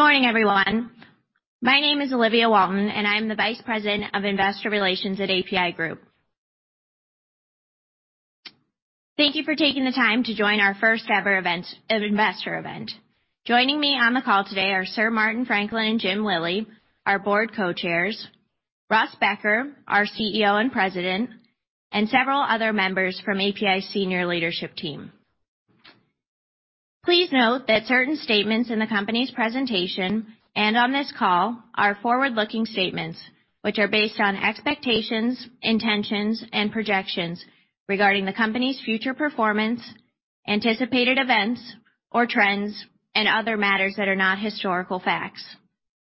Good morning, everyone. My name is Olivia Walton, and I'm the Vice President of Investor Relations at APi Group. Thank you for taking the time to join our first-ever investor event. Joining me on the call today are Sir Martin Franklin and Jim Lillie, our Board Co-Chairs, Russ Becker, our CEO and President, and several other members from APi's senior leadership team. Please note that certain statements in the company's presentation and on this call are forward-looking statements, which are based on expectations, intentions, and projections regarding the company's future performance, anticipated events or trends, and other matters that are not historical facts.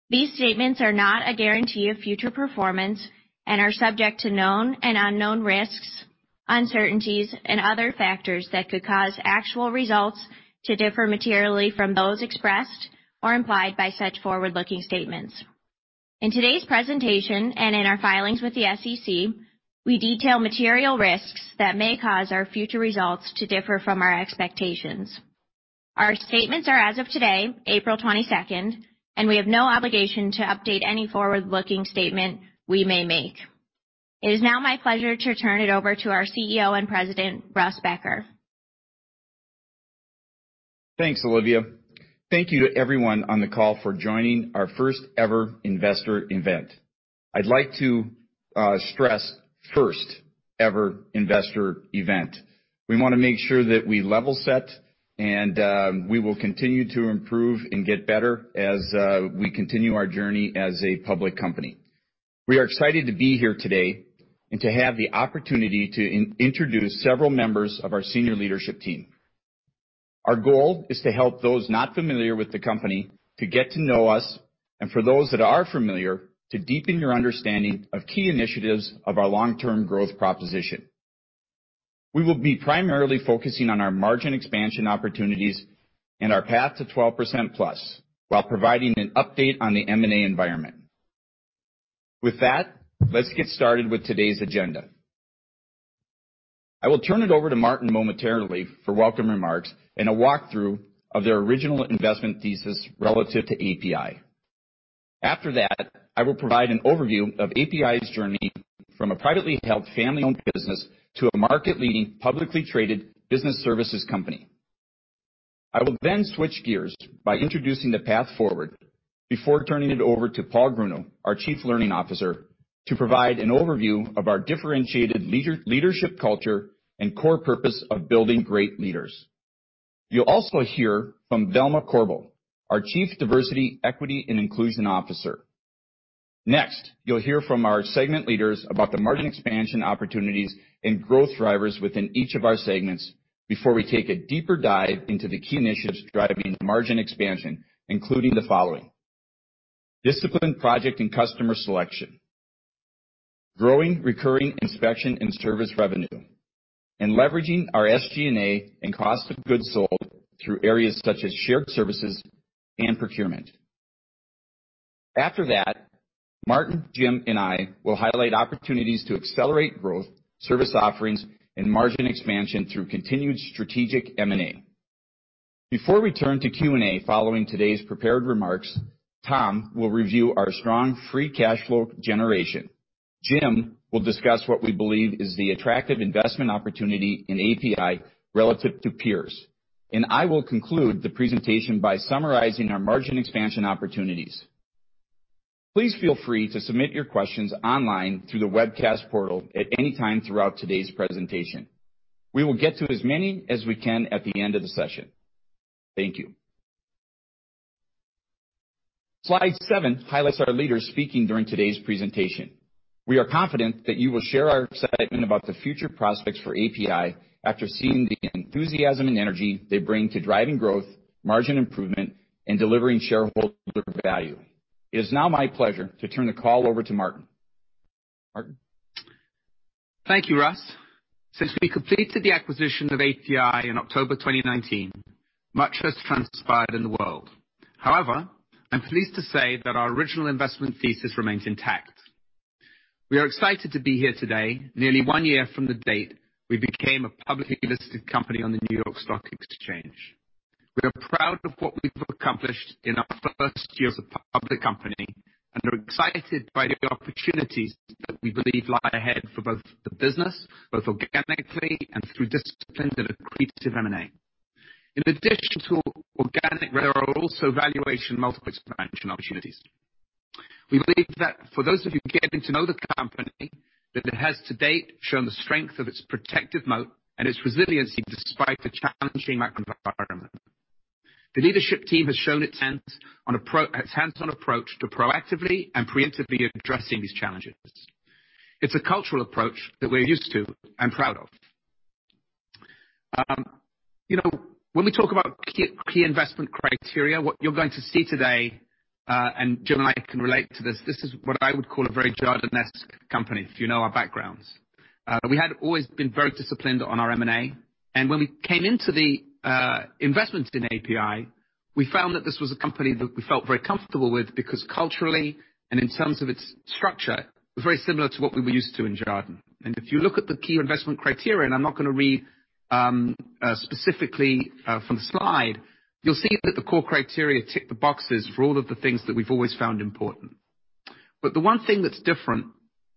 These statements are not a guarantee of future performance and are subject to known and unknown risks, uncertainties, and other factors that could cause actual results to differ materially from those expressed or implied by such forward-looking statements. In today's presentation and in our filings with the SEC, we detail material risks that may cause our future results to differ from our expectations. Our statements are as of today, April 22nd, and we have no obligation to update any forward-looking statement we may make. It is now my pleasure to turn it over to our CEO and President, Russ Becker. Thanks, Olivia. Thank you to everyone on the call for joining our first-ever investor event. I'd like to stress, first-ever investor event. We want to make sure that we level set, and we will continue to improve and get better as we continue our journey as a public company. We are excited to be here today and to have the opportunity to introduce several members of our senior leadership team. Our goal is to help those not familiar with the company to get to know us, and for those that are familiar, to deepen your understanding of key initiatives of our long-term growth proposition. We will be primarily focusing on our margin expansion opportunities and our path to 12% plus while providing an update on the M&A environment. With that, let's get started with today's agenda. I will turn it over to Martin momentarily for welcome remarks and a walkthrough of their original investment thesis relative to APi. After that, I will provide an overview of APi's journey from a privately held family-owned business to a market-leading publicly traded business services company. I will then switch gears by introducing the path forward before turning it over to Paul Grunau, our Chief Learning Officer, to provide an overview of our differentiated leadership culture and core purpose of building great leaders. You'll also hear from Velma Korbel, our Chief Diversity, Equity, and Inclusion Officer. Next, you'll hear from our segment leaders about the margin expansion opportunities and growth drivers within each of our segments before we take a deeper dive into the key initiatives driving margin expansion, including the following: disciplined project and customer selection, growing recurring inspection and service revenue, and leveraging our SG&A and cost of goods sold through areas such as shared services and procurement. After that, Martin, Jim, and I will highlight opportunities to accelerate growth, service offerings, and margin expansion through continued strategic M&A. Before we turn to Q&A following today's prepared remarks, Tom will review our strong free cash flow generation. Jim will discuss what we believe is the attractive investment opportunity in APi relative to peers, and I will conclude the presentation by summarizing our margin expansion opportunities. Please feel free to submit your questions online through the webcast portal at any time throughout today's presentation. We will get to as many as we can at the end of the session. Thank you. Slide 7 highlights our leaders speaking during today's presentation. We are confident that you will share our excitement about the future prospects for APi after seeing the enthusiasm and energy they bring to driving growth, margin improvement, and delivering shareholder value. It is now my pleasure to turn the call over to Martin. Thank you, Russ. Since we completed the acquisition of APi in October 2019, much has transpired in the world. However, I'm pleased to say that our original investment thesis remains intact. We are excited to be here today, nearly one year from the date we became a publicly listed company on the New York Stock Exchange. We are proud of what we've accomplished in our first year as a public company and are excited by the opportunities that we believe lie ahead for both the business organically and through disciplined and accretive M&A. In addition to organic, there are also valuation multiple expansion opportunities. We believe that for those of you getting to know the company, that it has to date shown the strength of its protective moat and its resiliency despite the challenging macro environment. The leadership team has shown its hands-on approach to proactively and preemptively addressing these challenges. It's a cultural approach that we're used to and proud of. When we talk about key investment criteria, what you're going to see today, and Jim and I can relate to this, this is what I would call a very Jardenesque company if you know our backgrounds. We had always been very disciplined on our M&A, and when we came into the investments in APi, we found that this was a company that we felt very comfortable with because culturally and in terms of its structure, it was very similar to what we were used to in Jarden. And if you look at the key investment criteria, and I'm not going to read specifically from the slide, you'll see that the core criteria tick the boxes for all of the things that we've always found important. But the one thing that's different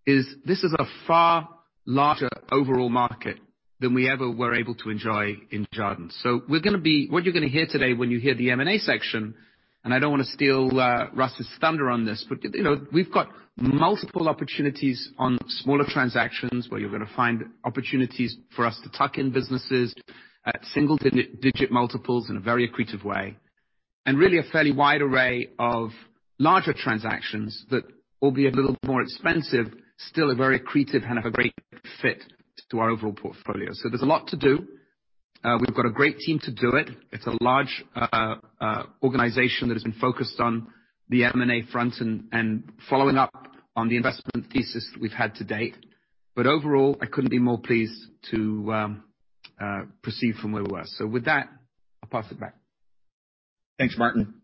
is this is a far larger overall market than we ever were able to enjoy in Jarden. So we're going to be what you're going to hear today when you hear the M&A section, and I don't want to steal Russ's thunder on this, but we've got multiple opportunities on smaller transactions where you're going to find opportunities for us to tuck in businesses at single-digit multiples in a very accretive way, and really a fairly wide array of larger transactions that will be a little more expensive, still a very accretive and have a great fit to our overall portfolio. So there's a lot to do. We've got a great team to do it. It's a large organization that has been focused on the M&A front and following up on the investment thesis we've had to date. But overall, I couldn't be more pleased to proceed from where we were. So with that, I'll pass it back. Thanks, Martin.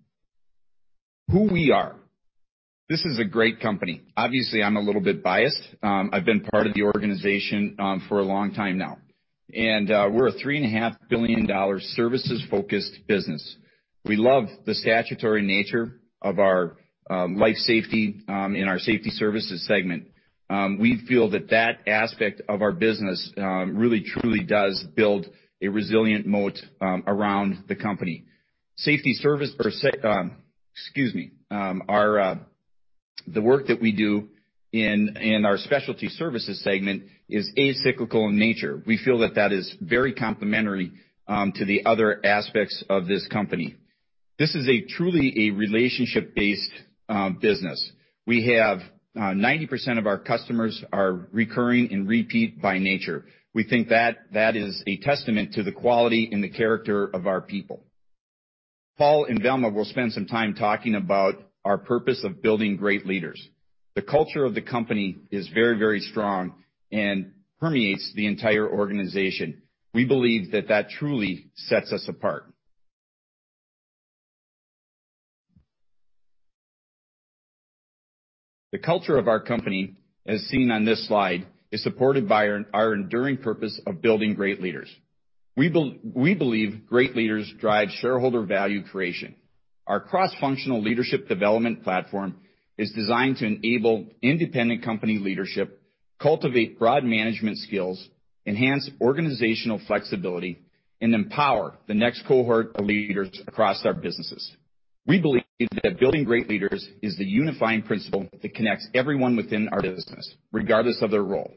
Who we are. This is a great company. Obviously, I'm a little bit biased. I've been part of the organization for a long time now, and we're a $3.5 billion services-focused business. We love the statutory nature of our life safety in our Safety Services segment. We feel that that aspect of our business really, truly does build a resilient moat around the company. Safety service, excuse me, the work that we do in our Specialty Services Segment is acyclical in nature. We feel that that is very complementary to the other aspects of this company. This is truly a relationship-based business. We have 90% of our customers are recurring and repeat by nature. We think that that is a testament to the quality and the character of our people. Paul and Velma will spend some time talking about our purpose of building great leaders. The culture of the company is very, very strong and permeates the entire organization. We believe that that truly sets us apart. The culture of our company, as seen on this slide, is supported by our enduring purpose of building great leaders. We believe great leaders drive shareholder value creation. Our cross-functional leadership development platform is designed to enable independent company leadership, cultivate broad management skills, enhance organizational flexibility, and empower the next cohort of leaders across our businesses. We believe that building great leaders is the unifying principle that connects everyone within our business, regardless of their role.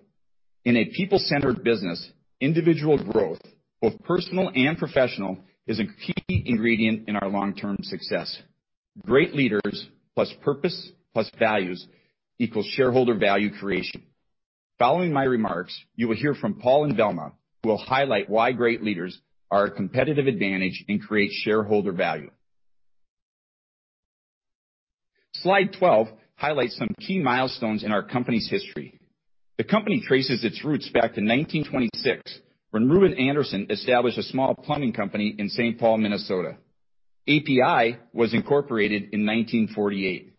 In a people-centered business, individual growth, both personal and professional, is a key ingredient in our long-term success. Great leaders plus purpose plus values equals shareholder value creation. Following my remarks, you will hear from Paul and Velma, who will highlight why great leaders are a competitive advantage and create shareholder value. Slide 12 highlights some key milestones in our company's history. The company traces its roots back to 1926, when Reuben Anderson established a small plumbing company in St. Paul, Minnesota. APi was incorporated in 1948.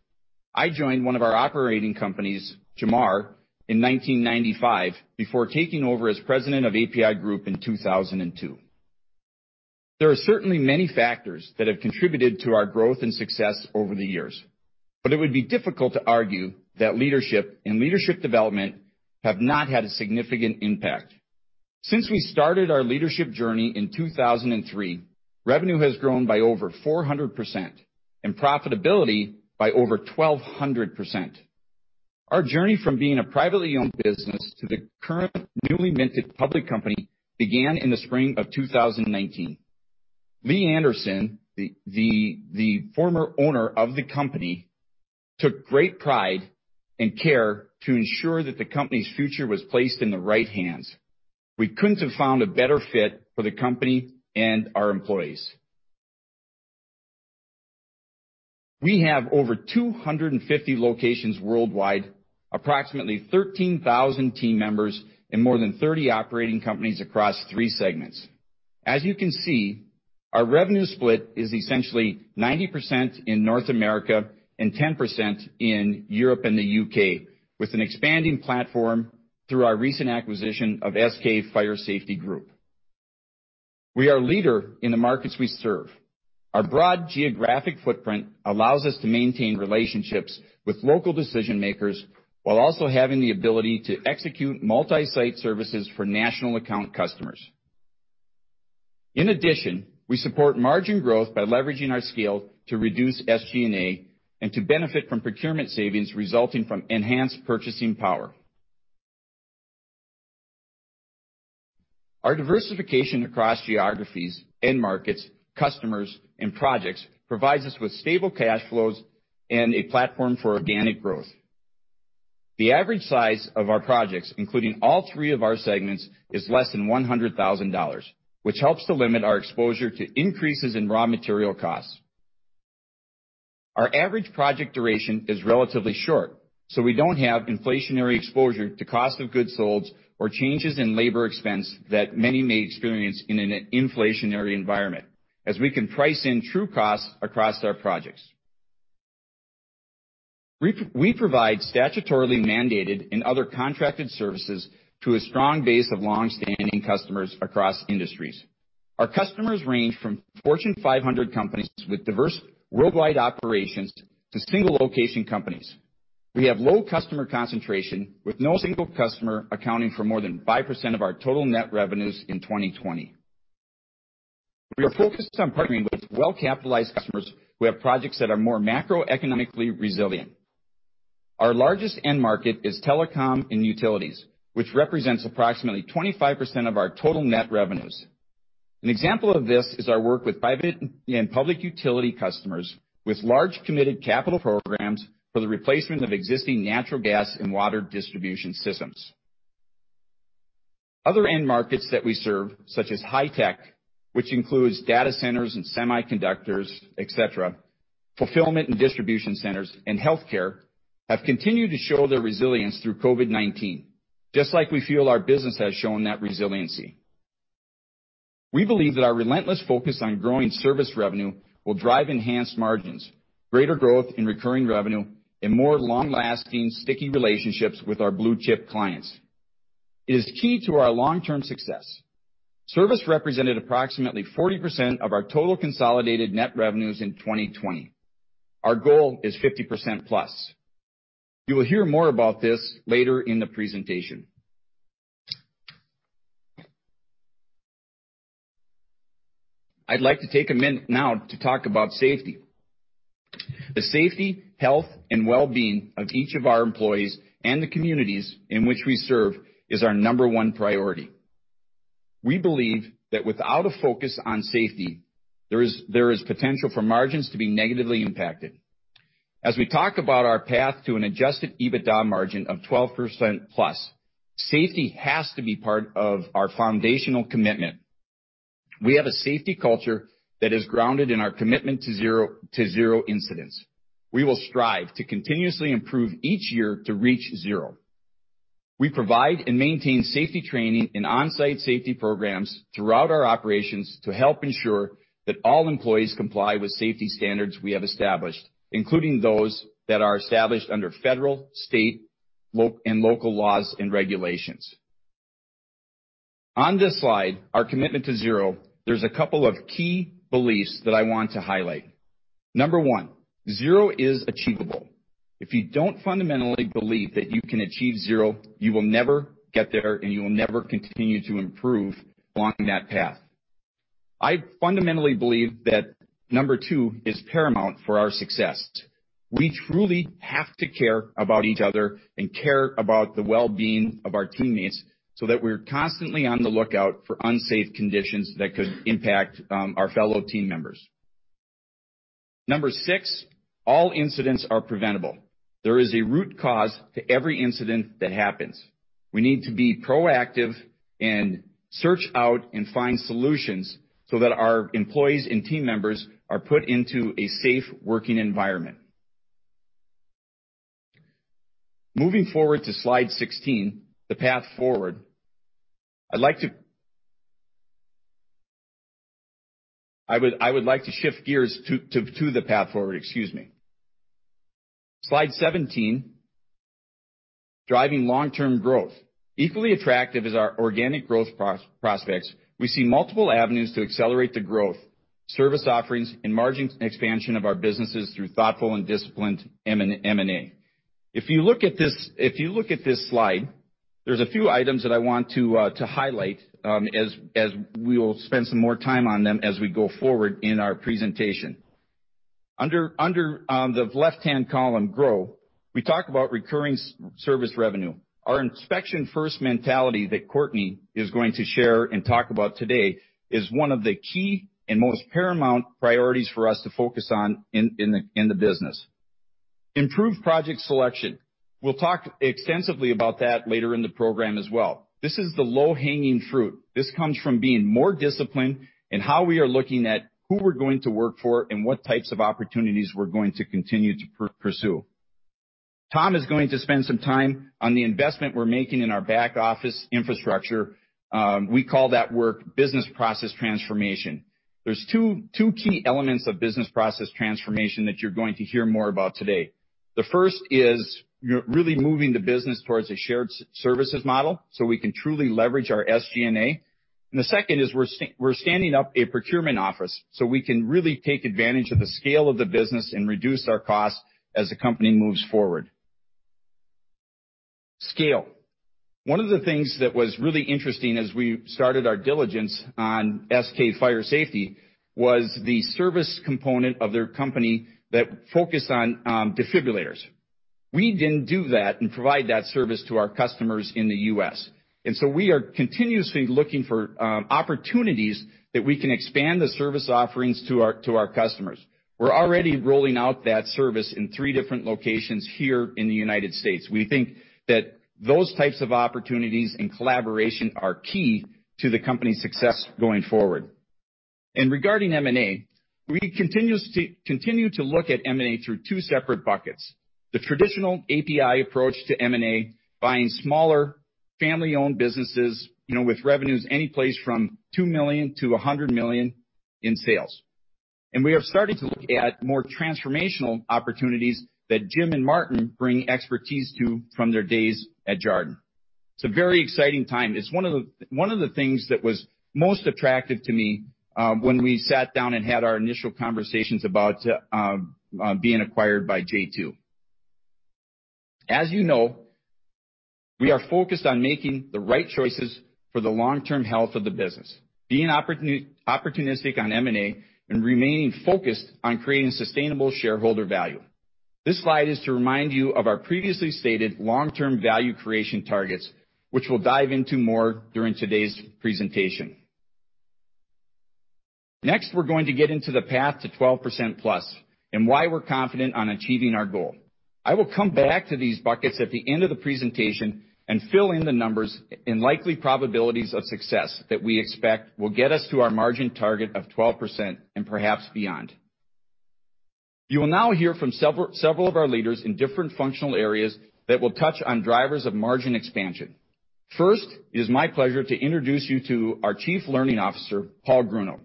I joined one of our operating companies, Jamar, in 1995 before taking over as president of APi Group in 2002. There are certainly many factors that have contributed to our growth and success over the years, but it would be difficult to argue that leadership and leadership development have not had a significant impact. Since we started our leadership journey in 2003, revenue has grown by over 400% and profitability by over 1,200%. Our journey from being a privately owned business to the current newly minted public company began in the spring of 2019. Lee Anderson, the former owner of the company, took great pride and care to ensure that the company's future was placed in the right hands. We couldn't have found a better fit for the company and our employees. We have over 250 locations worldwide, approximately 13,000 team members, and more than 30 operating companies across three segments. As you can see, our revenue split is essentially 90% in North America and 10% in Europe and the UK, with an expanding platform through our recent acquisition of SK Fire Safety Group. We are a leader in the markets we serve. Our broad geographic footprint allows us to maintain relationships with local decision-makers while also having the ability to execute multi-site services for national account customers. In addition, we support margin growth by leveraging our scale to reduce SG&A and to benefit from procurement savings resulting from enhanced purchasing power. Our diversification across geographies and markets, customers, and projects provides us with stable cash flows and a platform for organic growth. The average size of our projects, including all three of our segments, is less than $100,000, which helps to limit our exposure to increases in raw material costs. Our average project duration is relatively short, so we don't have inflationary exposure to cost of goods sold or changes in labor expense that many may experience in an inflationary environment, as we can price in true costs across our projects. We provide statutorily mandated and other contracted services to a strong base of longstanding customers across industries. Our customers range from Fortune 500 companies with diverse worldwide operations to single-location companies. We have low customer concentration, with no single customer accounting for more than 5% of our total net revenues in 2020. We are focused on partnering with well-capitalized customers who have projects that are more macroeconomically resilient. Our largest end market is telecom and utilities, which represents approximately 25% of our total net revenues. An example of this is our work with private and public utility customers with large committed capital programs for the replacement of existing natural gas and water distribution systems. Other end markets that we serve, such as high tech, which includes data centers and semiconductors, etc., fulfillment and distribution centers, and healthcare, have continued to show their resilience through COVID-19, just like we feel our business has shown that resiliency. We believe that our relentless focus on growing service revenue will drive enhanced margins, greater growth in recurring revenue, and more long-lasting, sticky relationships with our blue-chip clients. It is key to our long-term success. Service represented approximately 40% of our total consolidated net revenues in 2020. Our goal is 50% plus. You will hear more about this later in the presentation. I'd like to take a minute now to talk about safety. The safety, health, and well-being of each of our employees and the communities in which we serve is our number one priority. We believe that without a focus on safety, there is potential for margins to be negatively impacted. As we talk about our path to an Adjusted EBITDA margin of 12% plus, safety has to be part of our foundational commitment. We have a safety culture that is grounded in our commitment to zero incidents. We will strive to continuously improve each year to reach zero. We provide and maintain safety training and on-site safety programs throughout our operations to help ensure that all employees comply with safety standards we have established, including those that are established under federal, state, and local laws and regulations. On this slide, our commitment to zero, there's a couple of key beliefs that I want to highlight. Number one, zero is achievable. If you don't fundamentally believe that you can achieve zero, you will never get there, and you will never continue to improve along that path. I fundamentally believe that number two is paramount for our success. We truly have to care about each other and care about the well-being of our teammates so that we're constantly on the lookout for unsafe conditions that could impact our fellow team members. Number six, all incidents are preventable. There is a root cause to every incident that happens. We need to be proactive and search out and find solutions so that our employees and team members are put into a safe working environment. Moving forward to slide 16, the path forward, I'd like to shift gears to the path forward, excuse me. Slide 17, driving long-term growth. Equally attractive as our organic growth prospects, we see multiple avenues to accelerate the growth, service offerings, and margin expansion of our businesses through thoughtful and disciplined M&A. If you look at this slide, there's a few items that I want to highlight, as we will spend some more time on them as we go forward in our presentation. Under the left-hand column, grow, we talk about recurring service revenue. Our inspection-first mentality that Courtney is going to share and talk about today is one of the key and most paramount priorities for us to focus on in the business. Improve project selection. We'll talk extensively about that later in the program as well. This is the low-hanging fruit. This comes from being more disciplined in how we are looking at who we're going to work for and what types of opportunities we're going to continue to pursue. Tom is going to spend some time on the investment we're making in our back office infrastructure. We call that work business process transformation. There's two key elements of business process transformation that you're going to hear more about today. The first is really moving the business towards a shared services model so we can truly leverage our SG&A. And the second is we're standing up a procurement office so we can really take advantage of the scale of the business and reduce our costs as the company moves forward. Scale. One of the things that was really interesting as we started our diligence on SK Fire Safety was the service component of their company that focused on defibrillators. We didn't do that and provide that service to our customers in the U.S. And so we are continuously looking for opportunities that we can expand the service offerings to our customers. We're already rolling out that service in three different locations here in the United States. We think that those types of opportunities and collaboration are key to the company's success going forward. And regarding M&A, we continue to look at M&A through two separate buckets. The traditional APi approach to M&A finds smaller family-owned businesses with revenues anyplace from 2 million to 100 million in sales, and we have started to look at more transformational opportunities that Jim and Martin bring expertise to from their days at Jarden. It's a very exciting time. It's one of the things that was most attractive to me when we sat down and had our initial conversations about being acquired by J2. As you know, we are focused on making the right choices for the long-term health of the business, being opportunistic on M&A, and remaining focused on creating sustainable shareholder value. This slide is to remind you of our previously stated long-term value creation targets, which we'll dive into more during today's presentation. Next, we're going to get into the path to 12% plus and why we're confident on achieving our goal. I will come back to these buckets at the end of the presentation and fill in the numbers and likely probabilities of success that we expect will get us to our margin target of 12% and perhaps beyond. You will now hear from several of our leaders in different functional areas that will touch on drivers of margin expansion. First, it is my pleasure to introduce you to our Chief Learning Officer, Paul Grunau,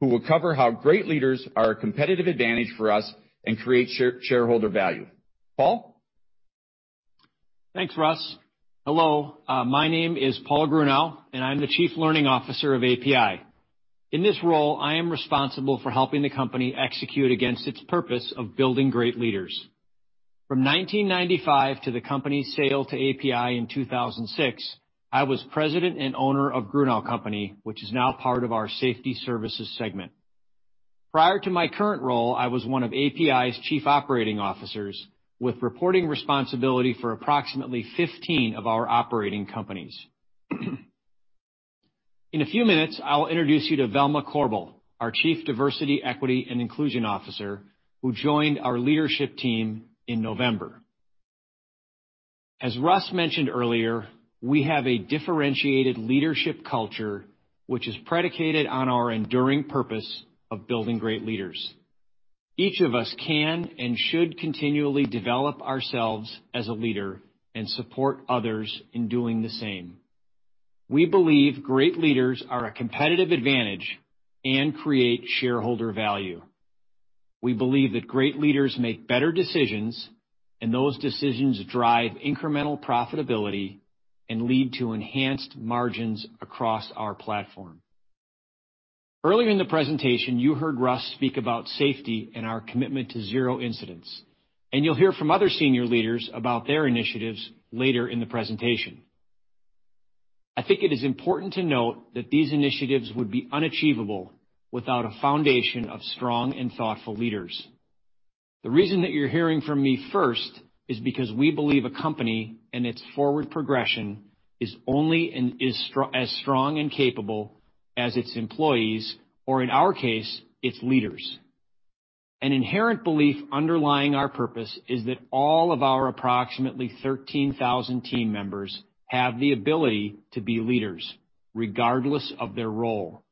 who will cover how great leaders are a competitive advantage for us and create shareholder value. Paul? Thanks, Russ. Hello. My name is Paul Grunau, and I'm the Chief Learning Officer of APi. In this role, I am responsible for helping the company execute against its purpose of building great leaders. From 1995 to the company's sale to APi in 2006, I was president and owner of Grunau Company, which is now part of our Safety Services segment. Prior to my current role, I was one of APi's Chief Operating Officers with reporting responsibility for approximately 15 of our operating companies. In a few minutes, I'll introduce you to Velma Korbel, our Chief Diversity, Equity, and Inclusion Officer, who joined our leadership team in November. As Russ mentioned earlier, we have a differentiated leadership culture, which is predicated on our enduring purpose of building great leaders. Each of us can and should continually develop ourselves as a leader and support others in doing the same. We believe great leaders are a competitive advantage and create shareholder value. We believe that great leaders make better decisions, and those decisions drive incremental profitability and lead to enhanced margins across our platform. Earlier in the presentation, you heard Russ speak about safety and our commitment to zero incidents, and you'll hear from other senior leaders about their initiatives later in the presentation. I think it is important to note that these initiatives would be unachievable without a foundation of strong and thoughtful leaders. The reason that you're hearing from me first is because we believe a company and its forward progression is only as strong and capable as its employees or, in our case, its leaders. An inherent belief underlying our purpose is that all of our approximately 13,000 team members have the ability to be leaders, regardless of their role.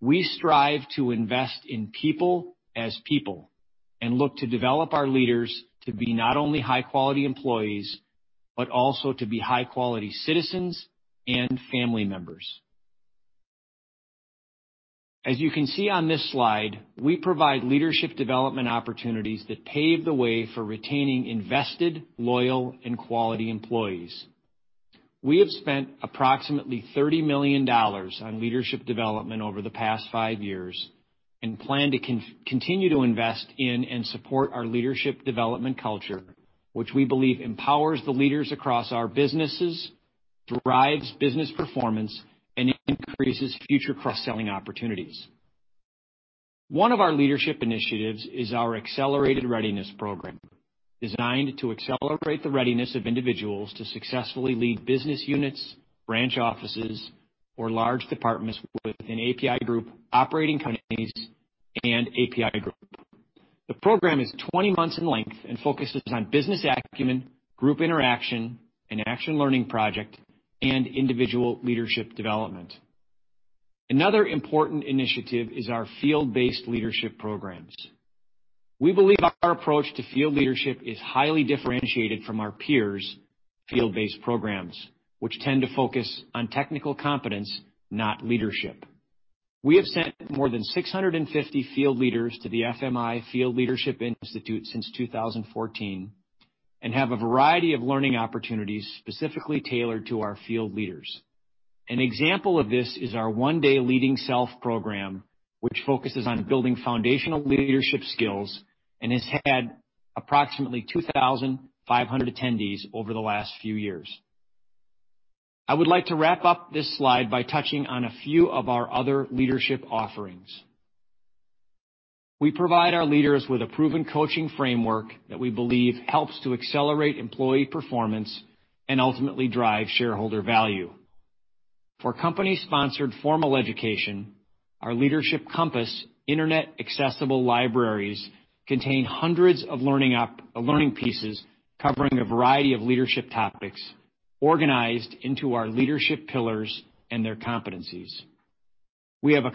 We strive to invest in people as people and look to develop our leaders to be not only high-quality employees, but also to be high-quality citizens and family members. As you can see on this slide, we provide leadership development opportunities that pave the way for retaining invested, loyal, and quality employees. We have spent approximately $30 million on leadership development over the past five years and plan to continue to invest in and support our leadership development culture, which we believe empowers the leaders across our businesses, drives business performance, and increases future cross-selling opportunities. One of our leadership initiatives is our Accelerated Readiness Program, designed to accelerate the readiness of individuals to successfully lead business units, branch offices, or large departments within APi Group, operating companies, and APi Group. The program is 20 months in length and focuses on business acumen, group interaction, an action learning project, and individual leadership development. Another important initiative is our field-based leadership programs. We believe our approach to field leadership is highly differentiated from our peers' field-based programs, which tend to focus on technical competence, not leadership. We have sent more than 650 field leaders to the FMI Field Leadership Institute since 2014 and have a variety of learning opportunities specifically tailored to our field leaders. An example of this is our One Day Leading Self program, which focuses on building foundational leadership skills and has had approximately 2,500 attendees over the last few years. I would like to wrap up this slide by touching on a few of our other leadership offerings. We provide our leaders with a proven coaching framework that we believe helps to accelerate employee performance and ultimately drive shareholder value. For company-sponsored formal education, our Leadership Compass, internet accessible libraries, contain hundreds of learning pieces covering a variety of leadership topics organized into our leadership pillars and their competencies. We have a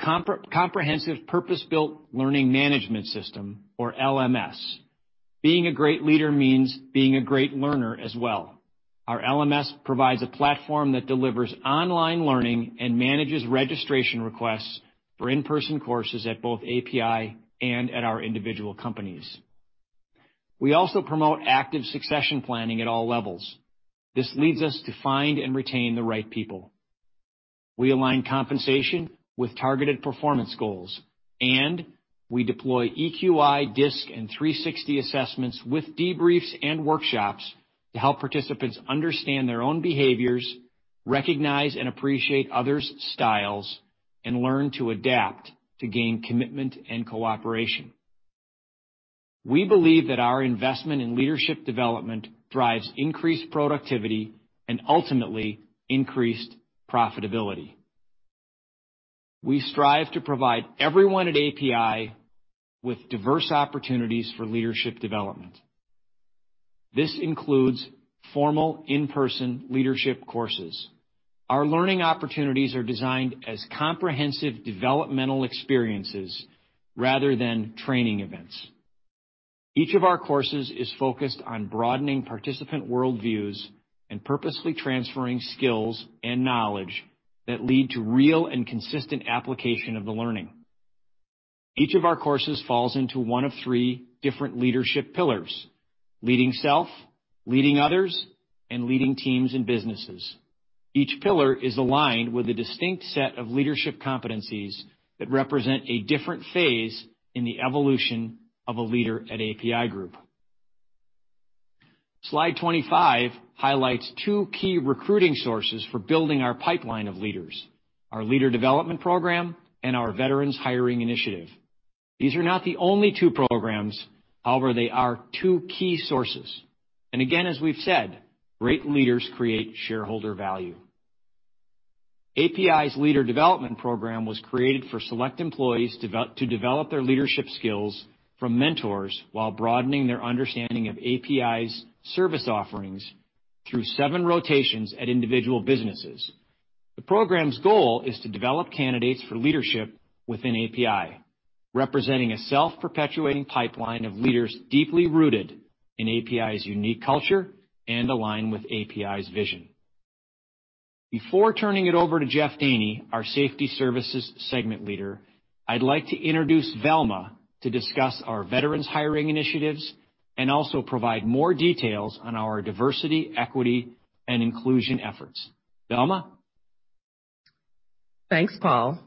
comprehensive purpose-built learning management system, or LMS. Being a great leader means being a great learner as well. Our LMS provides a platform that delivers online learning and manages registration requests for in-person courses at both APi and at our individual companies. We also promote active succession planning at all levels. This leads us to find and retain the right people. We align compensation with targeted performance goals, and we deploy EQ-i, DISC, and 360 assessments with debriefs and workshops to help participants understand their own behaviors, recognize and appreciate others' styles, and learn to adapt to gain commitment and cooperation. We believe that our investment in leadership development drives increased productivity and ultimately increased profitability. We strive to provide everyone at APi with diverse opportunities for leadership development. This includes formal in-person leadership courses. Our learning opportunities are designed as comprehensive developmental experiences rather than training events. Each of our courses is focused on broadening participant worldviews and purposely transferring skills and knowledge that lead to real and consistent application of the learning. Each of our courses falls into one of three different leadership pillars: Leading Self, Leading Others, and Leading Teams and Businesses. Each pillar is aligned with a distinct set of leadership competencies that represent a different phase in the evolution of a leader at APi Group. Slide 25 highlights two key recruiting sources for building our pipeline of leaders: our Leader Development Program and our Veterans Hiring Initiative. These are not the only two programs; however, they are two key sources, and again, as we've said, great leaders create shareholder value. APi's Leader Development Program was created for select employees to develop their leadership skills from mentors while broadening their understanding of APi's service offerings through seven rotations at individual businesses. The program's goal is to develop candidates for leadership within APi, representing a self-perpetuating pipeline of leaders deeply rooted in APi's unique culture and aligned with APi's vision. Before turning it over to Jeff Daane, our Safety Services segment leader, I'd like to introduce Velma to discuss our Veterans Hiring Initiative and also provide more details on our diversity, equity, and inclusion efforts. Velma? Thanks, Paul.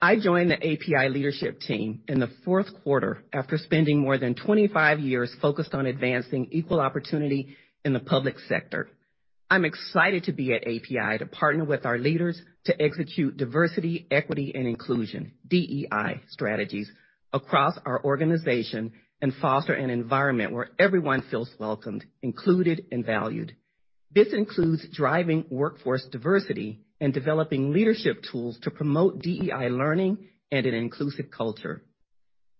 I joined the APi leadership team in the fourth quarter after spending more than 25 years focused on advancing equal opportunity in the public sector. I'm excited to be at APi to partner with our leaders to execute diversity, equity, and inclusion (DEI) strategies across our organization and foster an environment where everyone feels welcomed, included, and valued. This includes driving workforce diversity and developing leadership tools to promote DEI learning and an inclusive culture.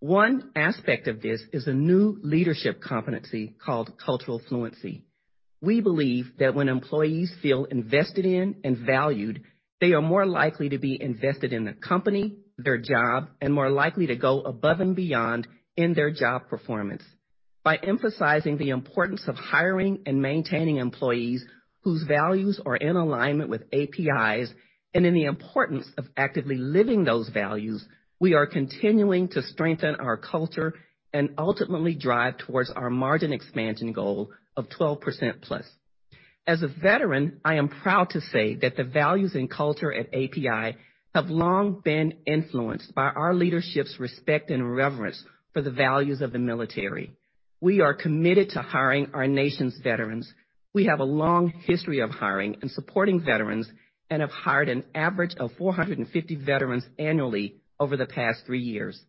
One aspect of this is a new leadership competency called cultural fluency. We believe that when employees feel invested in and valued, they are more likely to be invested in the company, their job, and more likely to go above and beyond in their job performance by emphasizing the importance of hiring and maintaining employees whose values are in alignment with APi's and in the importance of actively living those values. We are continuing to strengthen our culture and ultimately drive towards our margin expansion goal of 12% plus. As a veteran, I am proud to say that the values and culture at APi have long been influenced by our leadership's respect and reverence for the values of the military. We are committed to hiring our nation's veterans. We have a long history of hiring and supporting veterans and have hired an average of 450 veterans annually over the past three years.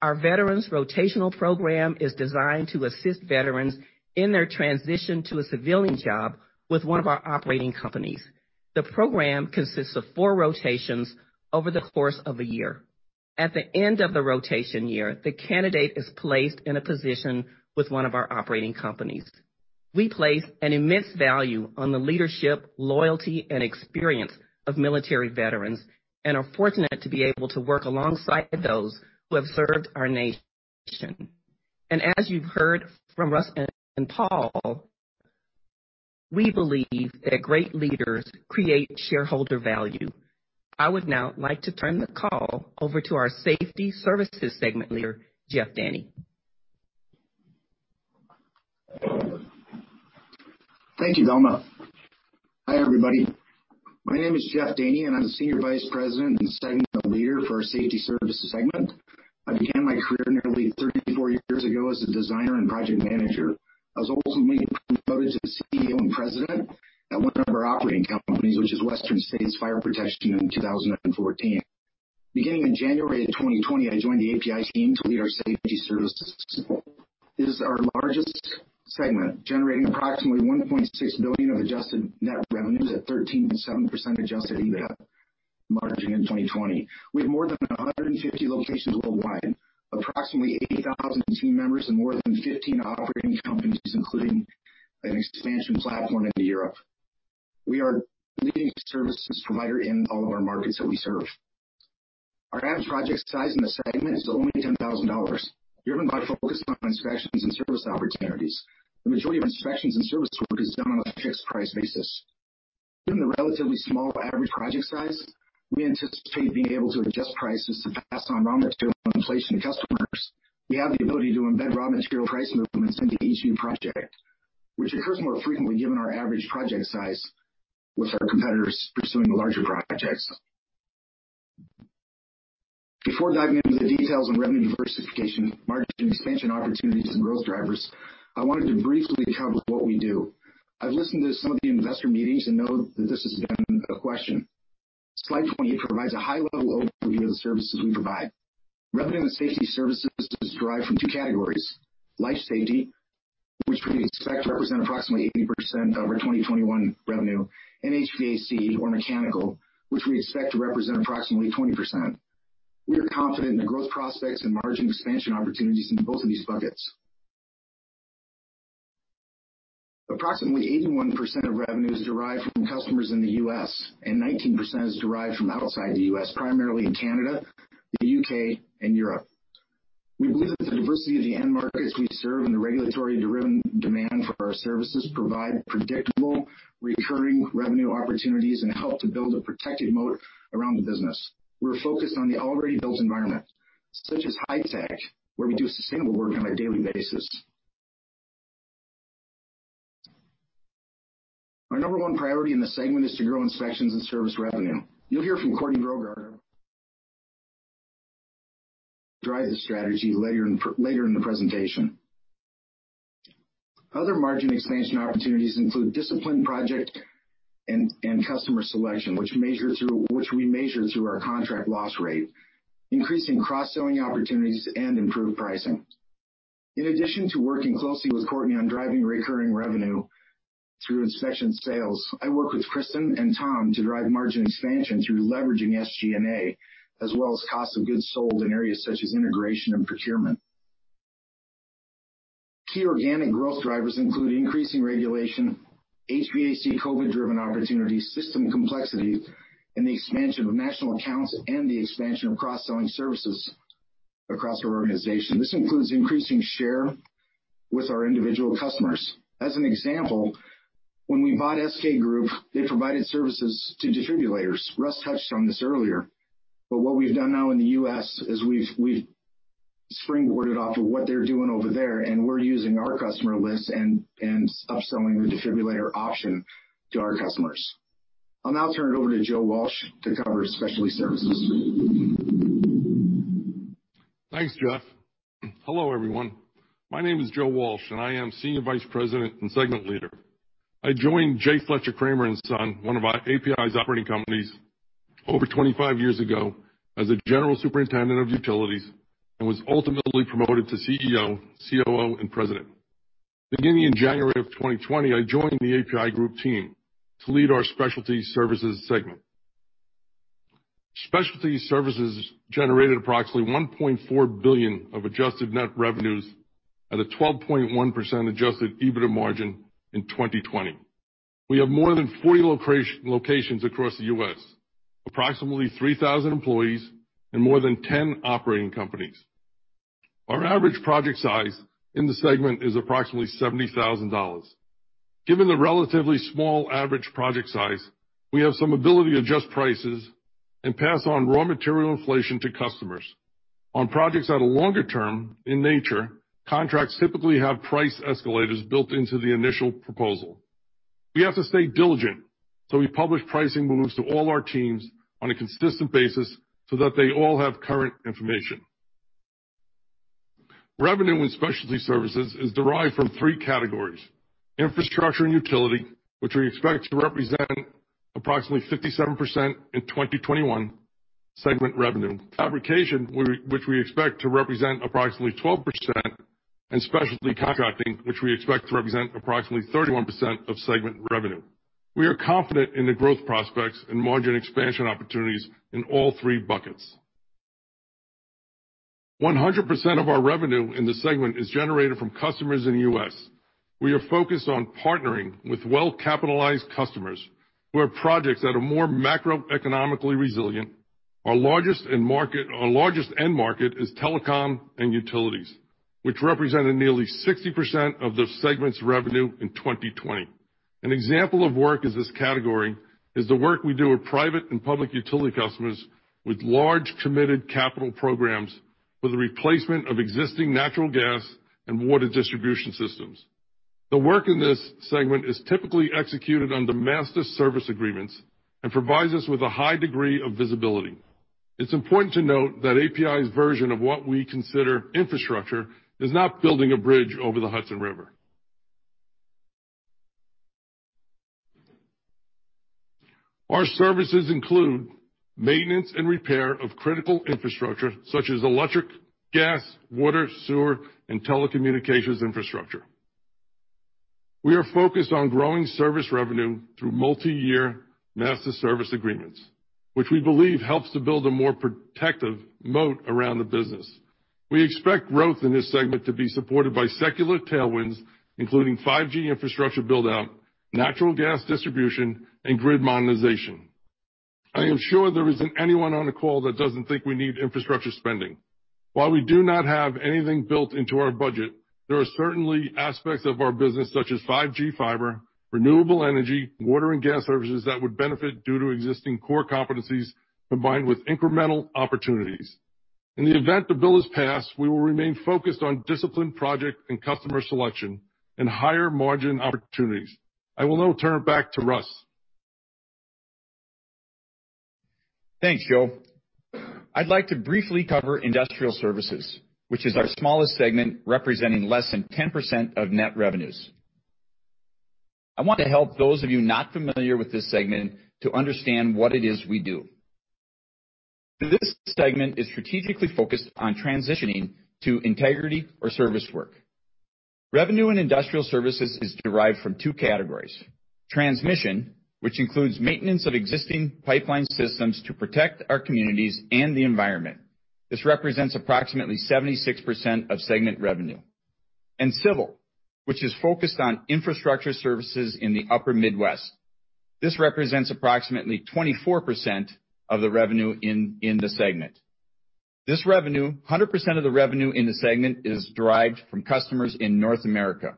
Our Veterans Rotational Program is designed to assist veterans in their transition to a civilian job with one of our operating companies. The program consists of four rotations over the course of a year. At the end of the rotation year, the candidate is placed in a position with one of our operating companies. We place an immense value on the leadership, loyalty, and experience of military veterans and are fortunate to be able to work alongside those who have served our nation. As you've heard from Russ and Paul, we believe that great leaders create shareholder value. I would now like to turn the call over to our Safety Services segment leader, Jeff Daane. Thank you, Velma. Hi, everybody. My name is Jeff Daane, and I'm the Senior Vice President and Segment Leader for our Safety Services segment. I began my career nearly 34 years ago as a designer and project manager. I was ultimately promoted to CEO and president at one of our operating companies, which is Western States Fire Protection, in 2014. Beginning in January of 2020, I joined the APi team to lead our Safety Services. It is our largest segment, generating approximately $1.6 billion of Adjusted Net Revenues at 13.7% Adjusted EBITDA margin in 2020. We have more than 150 locations worldwide, approximately 8,000 team members, and more than 15 operating companies, including an expansion platform into Europe. We are a leading services provider in all of our markets that we serve. Our average project size in the segment is only $10,000, driven by focus on inspections and service opportunities. The majority of inspections and service work is done on a fixed price basis. Given the relatively small average project size, we anticipate being able to adjust prices to pass on raw material inflation to customers. We have the ability to embed raw material price movements into each new project, which occurs more frequently given our average project size, with our competitors pursuing larger projects. Before diving into the details on revenue diversification, margin expansion opportunities, and growth drivers, I wanted to briefly cover what we do. I've listened to some of the investor meetings and know that this has been a question. Slide 20 provides a high-level overview of the services we provide. Revenue and Safety Services is derived from two categories: life safety, which we expect to represent approximately 80% of our 2021 revenue, and HVAC or mechanical, which we expect to represent approximately 20%. We are confident in the growth prospects and margin expansion opportunities in both of these buckets. Approximately 81% of revenue is derived from customers in the U.S., and 19% is derived from outside the U.S., primarily in Canada, the UK, and Europe. We believe that the diversity of the end markets we serve and the regulatory-driven demand for our services provide predictable recurring revenue opportunities and help to build a protective moat around the business. We're focused on the already built environment, such as high tech, where we do sustainable work on a daily basis. Our number one priority in the segment is to grow inspections and service revenue. You'll hear from Courtney Brogard, who will drive this strategy later in the presentation. Other margin expansion opportunities include disciplined project and customer selection, which we measure through our contract loss rate, increasing cross-selling opportunities and improved pricing. In addition to working closely with Courtney on driving recurring revenue through inspection sales, I work with Kristin and Tom to drive margin expansion through leveraging SG&A, as well as cost of goods sold in areas such as integration and procurement. Key organic growth drivers include increasing regulation, HVAC COVID-driven opportunities, system complexity, and the expansion of national accounts and the expansion of cross-selling services across our organization. This includes increasing share with our individual customers. As an example, when we bought SK Fire Safety Group, they provided services to distributors. Russ touched on this earlier. But what we've done now in the U.S. is we've springboarded off of what they're doing over there, and we're using our customer lists and upselling the distributor option to our customers. I'll now turn it over to Joe Walsh to cover Specialty Services. Thanks, Jeff. Hello, everyone. My name is Joe Walsh, and I am senior vice president and segment leader. I joined J. Fletcher Creamer & Son, one of APi's operating companies, over 25 years ago as a general superintendent of utilities and was ultimately promoted to CEO, COO, and president. Beginning in January of 2020, I joined the APi Group team to lead our Specialty Services Segment. Specialty Services generated approximately $1.4 billion of Adjusted Net Revenues at a 12.1% adjusted EBITDA margin in 2020. We have more than 40 locations across the U.S., approximately 3,000 employees, and more than 10 operating companies. Our average project size in the segment is approximately $70,000. Given the relatively small average project size, we have some ability to adjust prices and pass on raw material inflation to customers. On projects that are longer term in nature, contracts typically have price escalators built into the initial proposal. We have to stay diligent, so we publish pricing moves to all our teams on a consistent basis so that they all have current information. Revenue in Specialty Services is derived from three categories: infrastructure and utilities, which we expect to represent approximately 57% of 2021 segment revenue. Fabrication, which we expect to represent approximately 12%. And specialty contracting, which we expect to represent approximately 31% of segment revenue. We are confident in the growth prospects and margin expansion opportunities in all three buckets. 100% of our revenue in the segment is generated from customers in the U.S. We are focused on partnering with well-capitalized customers who have projects that are more macroeconomically resilient. Our largest end market is telecom and utilities, which represented nearly 60% of the segment's revenue in 2020. An example of work in this category is the work we do with private and public utility customers with large committed capital programs for the replacement of existing natural gas and water distribution systems. The work in this segment is typically executed under master service agreements and provides us with a high degree of visibility. It's important to note that APi's version of what we consider infrastructure is not building a bridge over the Hudson River. Our services include maintenance and repair of critical infrastructure such as electric, gas, water, sewer, and telecommunications infrastructure. We are focused on growing service revenue through multi-year master service agreements, which we believe helps to build a more protective moat around the business. We expect growth in this segment to be supported by secular tailwinds, including 5G infrastructure build-out, natural gas distribution, and grid modernization. I am sure there isn't anyone on the call that doesn't think we need infrastructure spending. While we do not have anything built into our budget, there are certainly aspects of our business such as 5G fiber, renewable energy, water, and gas services that would benefit due to existing core competencies combined with incremental opportunities. In the event the bill is passed, we will remain focused on disciplined project and customer selection and higher margin opportunities. I will now turn it back to Russ. Thanks, Joe. I'd like to briefly cover Industrial Services, which is our smallest segment representing less than 10% of net revenues. I want to help those of you not familiar with this segment to understand what it is we do. This segment is strategically focused on transitioning to integrity or service work. Revenue and Industrial Services is derived from two categories: transmission, which includes maintenance of existing pipeline systems to protect our communities and the environment. This represents approximately 76% of segment revenue, and civil, which is focused on infrastructure services in the upper Midwest. This represents approximately 24% of the revenue in the segment. This revenue, 100% of the revenue in the segment, is derived from customers in North America.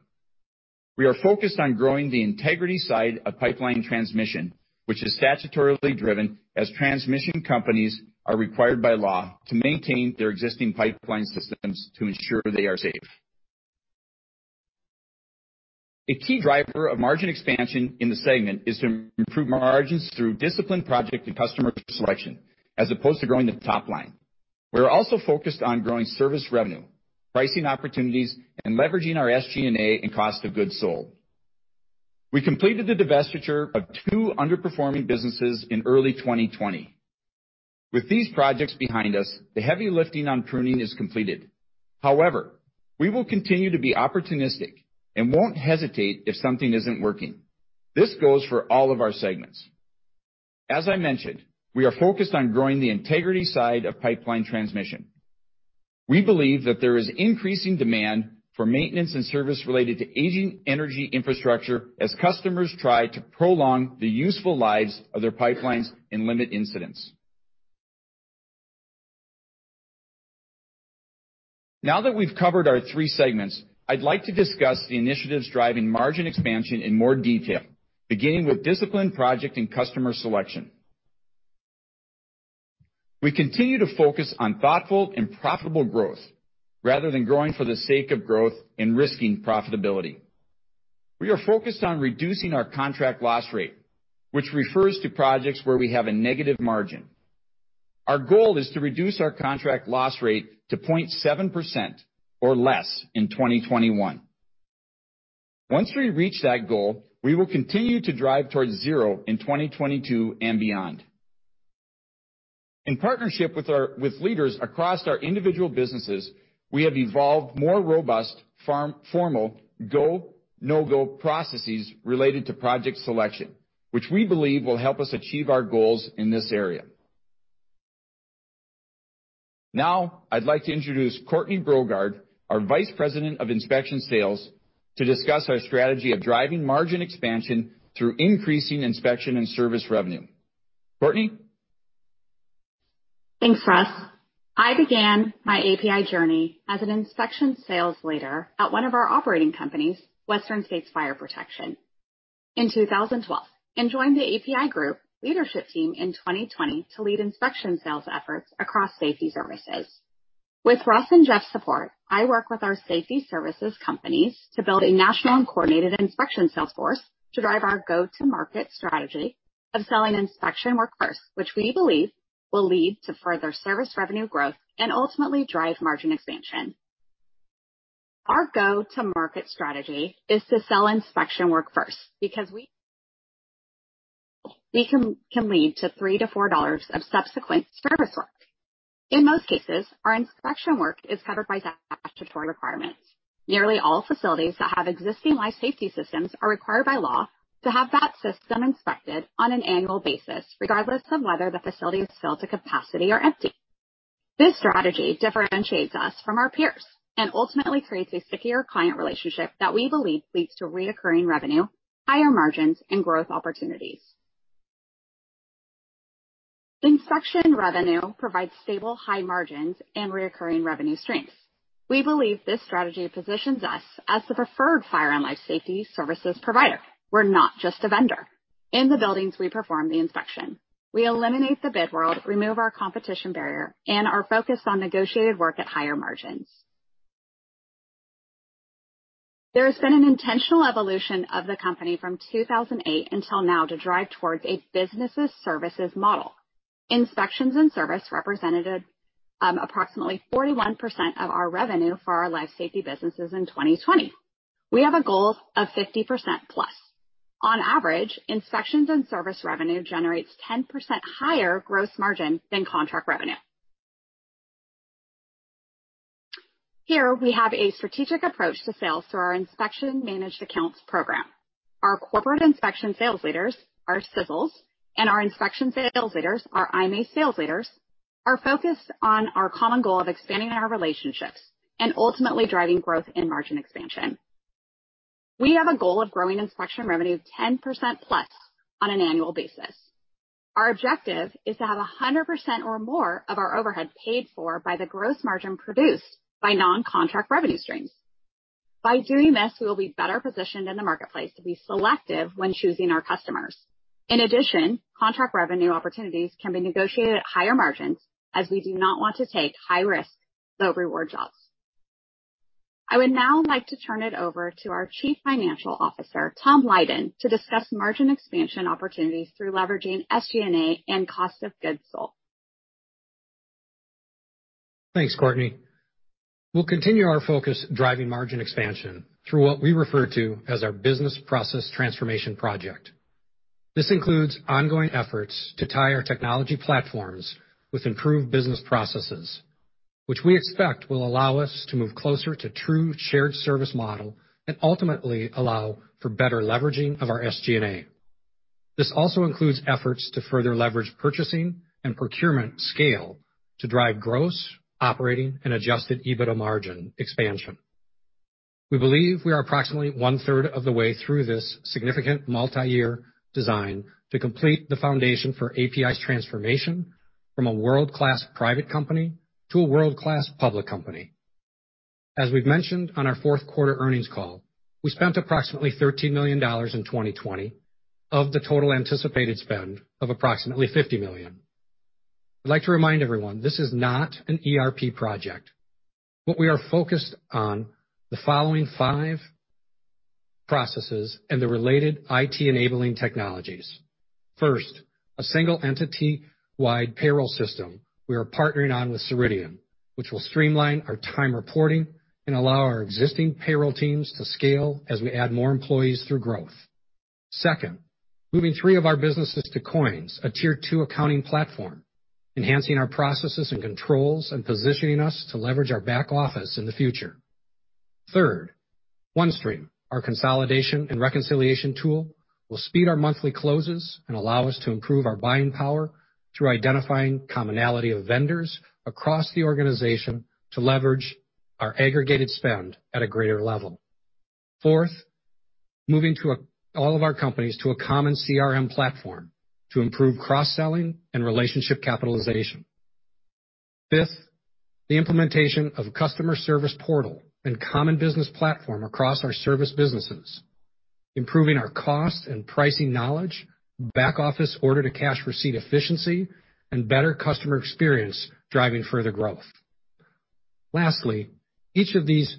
We are focused on growing the integrity side of pipeline transmission, which is statutorily driven as transmission companies are required by law to maintain their existing pipeline systems to ensure they are safe. A key driver of margin expansion in the segment is to improve margins through disciplined project and customer selection as opposed to growing the top line. We are also focused on growing service revenue, pricing opportunities, and leveraging our SG&A and Cost of Goods Sold. We completed the divestiture of two underperforming businesses in early 2020. With these projects behind us, the heavy lifting on pruning is completed. However, we will continue to be opportunistic and won't hesitate if something isn't working. This goes for all of our segments. As I mentioned, we are focused on growing the integrity side of pipeline transmission. We believe that there is increasing demand for maintenance and service related to aging energy infrastructure as customers try to prolong the useful lives of their pipelines and limit incidents. Now that we've covered our three segments, I'd like to discuss the initiatives driving margin expansion in more detail, beginning with discipline project and customer selection. We continue to focus on thoughtful and profitable growth rather than growing for the sake of growth and risking profitability. We are focused on reducing our contract loss rate, which refers to projects where we have a negative margin. Our goal is to reduce our contract loss rate to 0.7% or less in 2021. Once we reach that goal, we will continue to drive towards zero in 2022 and beyond. In partnership with leaders across our individual businesses, we have evolved more robust, formal go-no-go processes related to project selection, which we believe will help us achieve our goals in this area. Now, I'd like to introduce Courtney Brogard, our Vice President of Inspection Sales, to discuss our strategy of driving margin expansion through increasing inspection and service revenue. Courtney? Thanks, Russ. I began my APi journey as an inspection sales leader at one of our operating companies, Western States Fire Protection, in 2012, and joined the APi Group leadership team in 2020 to lead inspection sales efforts across Safety Services. With Russ and Jeff's support, I work with our Safety Services companies to build a national and coordinated inspection sales force to drive our go-to-market strategy of selling inspection work first, which we believe will lead to further service revenue growth and ultimately drive margin expansion. Our go-to-market strategy is to sell inspection work first because we can lead to $3-$4 of subsequent service work. In most cases, our inspection work is covered by statutory requirements. Nearly all facilities that have existing life safety systems are required by law to have that system inspected on an annual basis, regardless of whether the facility is filled to capacity or empty. This strategy differentiates us from our peers and ultimately creates a stickier client relationship that we believe leads to recurring revenue, higher margins, and growth opportunities. Inspection revenue provides stable high margins and recurring revenue streams. We believe this strategy positions us as the preferred fire and life Safety Services provider. We're not just a vendor. In the buildings we perform the inspection, we eliminate the bid world, remove our competition barrier, and are focused on negotiated work at higher margins. There has been an intentional evolution of the company from 2008 until now to drive towards a business services model. Inspections and service represented approximately 41% of our revenue for our life safety businesses in 2020. We have a goal of 50% plus. On average, inspections and service revenue generates 10% higher gross margin than contract revenue. Here, we have a strategic approach to sales through our Inspection Managed Accounts program. Our corporate inspection sales leaders, our CISLs, and our inspection sales leaders, our IMA sales leaders, are focused on our common goal of expanding our relationships and ultimately driving growth in margin expansion. We have a goal of growing inspection revenue 10% plus on an annual basis. Our objective is to have 100% or more of our overhead paid for by the gross margin produced by non-contract revenue streams. By doing this, we will be better positioned in the marketplace to be selective when choosing our customers. In addition, contract revenue opportunities can be negotiated at higher margins as we do not want to take high-risk, low-reward jobs. I would now like to turn it over to our Chief Financial Officer, Tom Lydon, to discuss margin expansion opportunities through leveraging SG&A and cost of goods sold. Thanks, Courtney. We'll continue our focus driving margin expansion through what we refer to as our business process transformation project. This includes ongoing efforts to tie our technology platforms with improved business processes, which we expect will allow us to move closer to a true shared service model and ultimately allow for better leveraging of our SG&A. This also includes efforts to further leverage purchasing and procurement scale to drive gross operating and Adjusted EBITDA margin expansion. We believe we are approximately one-third of the way through this significant multi-year design to complete the foundation for APi's transformation from a world-class private company to a world-class public company. As we've mentioned on our fourth quarter earnings call, we spent approximately $13 million in 2020 of the total anticipated spend of approximately $50 million. I'd like to remind everyone. This is not an ERP project. What we are focused on are the following five processes and the related IT-enabling technologies. First, a single entity-wide payroll system we are partnering on with Ceridian, which will streamline our time reporting and allow our existing payroll teams to scale as we add more employees through growth. Second, moving three of our businesses to COINS, a tier-two accounting platform, enhancing our processes and controls and positioning us to leverage our back office in the future. Third, OneStream, our consolidation and reconciliation tool, will speed our monthly closes and allow us to improve our buying power through identifying commonality of vendors across the organization to leverage our aggregated spend at a greater level. Fourth, moving all of our companies to a common CRM platform to improve cross-selling and relationship capitalization. Fifth, the implementation of a customer service portal and common business platform across our service businesses, improving our cost and pricing knowledge, back office order-to-cash receipt efficiency, and better customer experience driving further growth. Lastly, each of these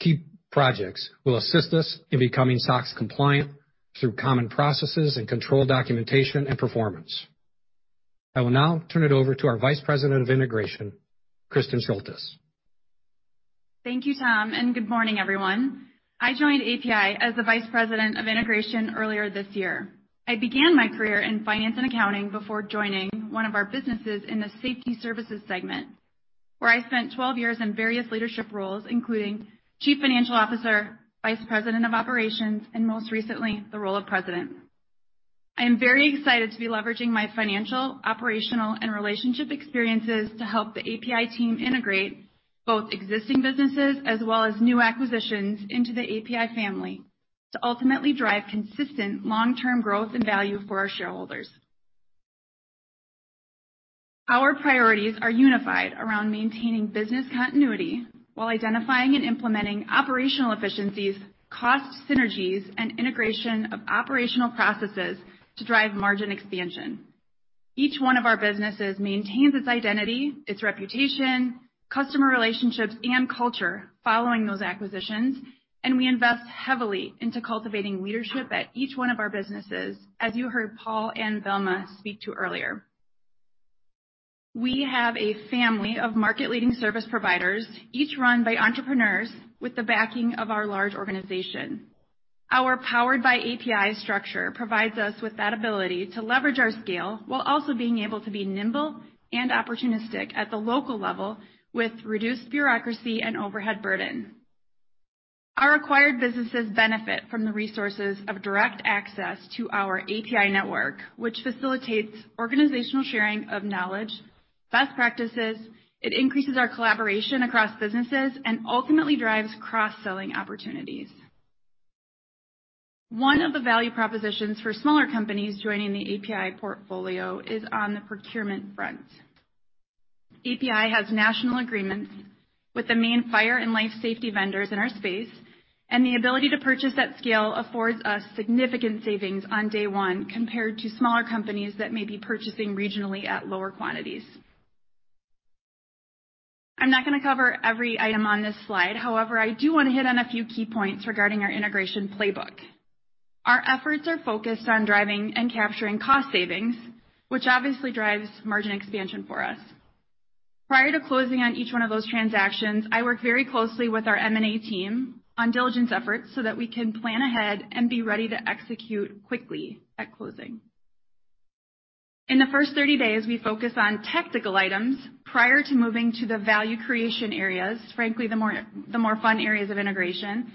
key projects will assist us in becoming SOX compliant through common processes and control documentation and performance. I will now turn it over to our Vice President of Integration, Kristin Schultes. Thank you, Tom, and good morning, everyone. I joined APi as the Vice President of Integration earlier this year. I began my career in finance and accounting before joining one of our businesses in the Safety Services segment, where I spent 12 years in various leadership roles, including Chief Financial Officer, Vice President of Operations, and most recently, the role of President. I am very excited to be leveraging my financial, operational, and relationship experiences to help the APi team integrate both existing businesses as well as new acquisitions into the APi family to ultimately drive consistent long-term growth and value for our shareholders. Our priorities are unified around maintaining business continuity while identifying and implementing operational efficiencies, cost synergies, and integration of operational processes to drive margin expansion. Each one of our businesses maintains its identity, its reputation, customer relationships, and culture following those acquisitions, and we invest heavily into cultivating leadership at each one of our businesses, as you heard Paul and Velma speak to earlier. We have a family of market-leading service providers, each run by entrepreneurs with the backing of our large organization. Our powered-by-APi structure provides us with that ability to leverage our scale while also being able to be nimble and opportunistic at the local level with reduced bureaucracy and overhead burden. Our acquired businesses benefit from the resources of direct access to our APi network, which facilitates organizational sharing of knowledge, best practices. It increases our collaboration across businesses and ultimately drives cross-selling opportunities. One of the value propositions for smaller companies joining the APi portfolio is on the procurement front. APi has national agreements with the main fire and life safety vendors in our space, and the ability to purchase at scale affords us significant savings on day one compared to smaller companies that may be purchasing regionally at lower quantities. I'm not going to cover every item on this slide. However, I do want to hit on a few key points regarding our integration playbook. Our efforts are focused on driving and capturing cost savings, which obviously drives margin expansion for us. Prior to closing on each one of those transactions, I work very closely with our M&A team on diligence efforts so that we can plan ahead and be ready to execute quickly at closing. In the first 30 days, we focus on technical items prior to moving to the value creation areas, frankly, the more fun areas of integration,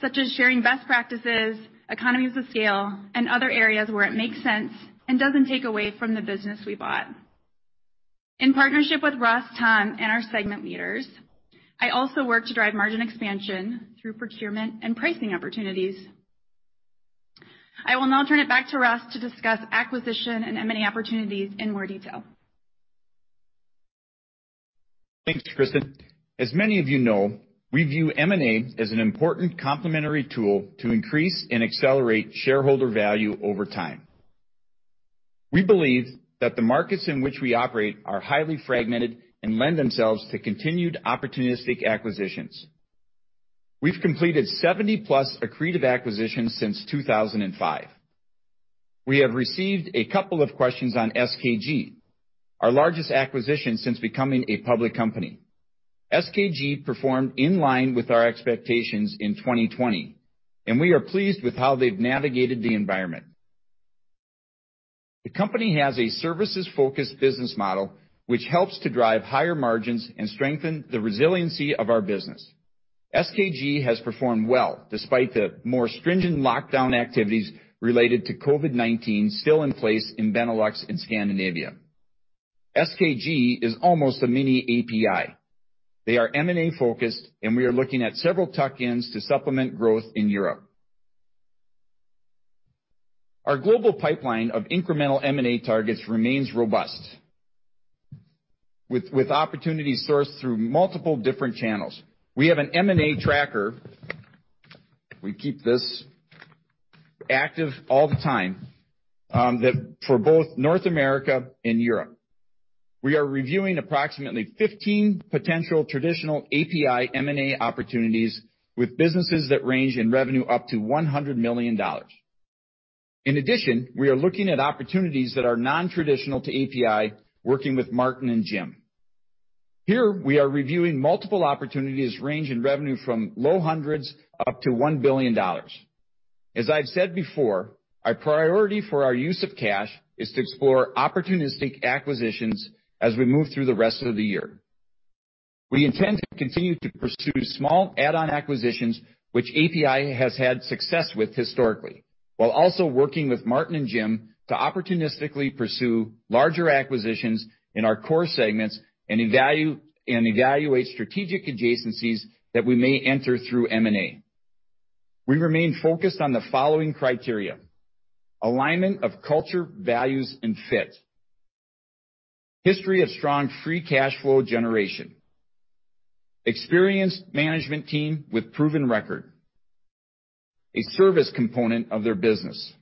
such as sharing best practices, economies of scale, and other areas where it makes sense and doesn't take away from the business we bought. In partnership with Russ, Tom, and our segment leaders, I also work to drive margin expansion through procurement and pricing opportunities. I will now turn it back to Russ to discuss acquisition and M&A opportunities in more detail. Thanks, Kristin. As many of you know, we view M&A as an important complementary tool to increase and accelerate shareholder value over time. We believe that the markets in which we operate are highly fragmented and lend themselves to continued opportunistic acquisitions. We've completed 70-plus accretive acquisitions since 2005. We have received a couple of questions on SKG, our largest acquisition since becoming a public company. SKG performed in line with our expectations in 2020, and we are pleased with how they've navigated the environment. The company has a services-focused business model, which helps to drive higher margins and strengthen the resiliency of our business. SKG has performed well despite the more stringent lockdown activities related to COVID-19 still in place in Benelux and Scandinavia. SKG is almost a mini APi. They are M&A-focused, and we are looking at several tuck-ins to supplement growth in Europe. Our global pipeline of incremental M&A targets remains robust, with opportunities sourced through multiple different channels. We have an M&A tracker. We keep this active all the time for both North America and Europe. We are reviewing approximately 15 potential traditional APi M&A opportunities with businesses that range in revenue up to $100 million. In addition, we are looking at opportunities that are non-traditional to APi, working with Martin and Jim. Here, we are reviewing multiple opportunities ranging in revenue from low hundreds up to $1 billion. As I've said before, our priority for our use of cash is to explore opportunistic acquisitions as we move through the rest of the year. We intend to continue to pursue small add-on acquisitions, which APi has had success with historically, while also working with Martin and Jim to opportunistically pursue larger acquisitions in our core segments and evaluate strategic adjacencies that we may enter through M&A. We remain focused on the following criteria: alignment of culture, values, and fit, history of strong free cash flow generation, experienced management team with proven record, and a service component of their business.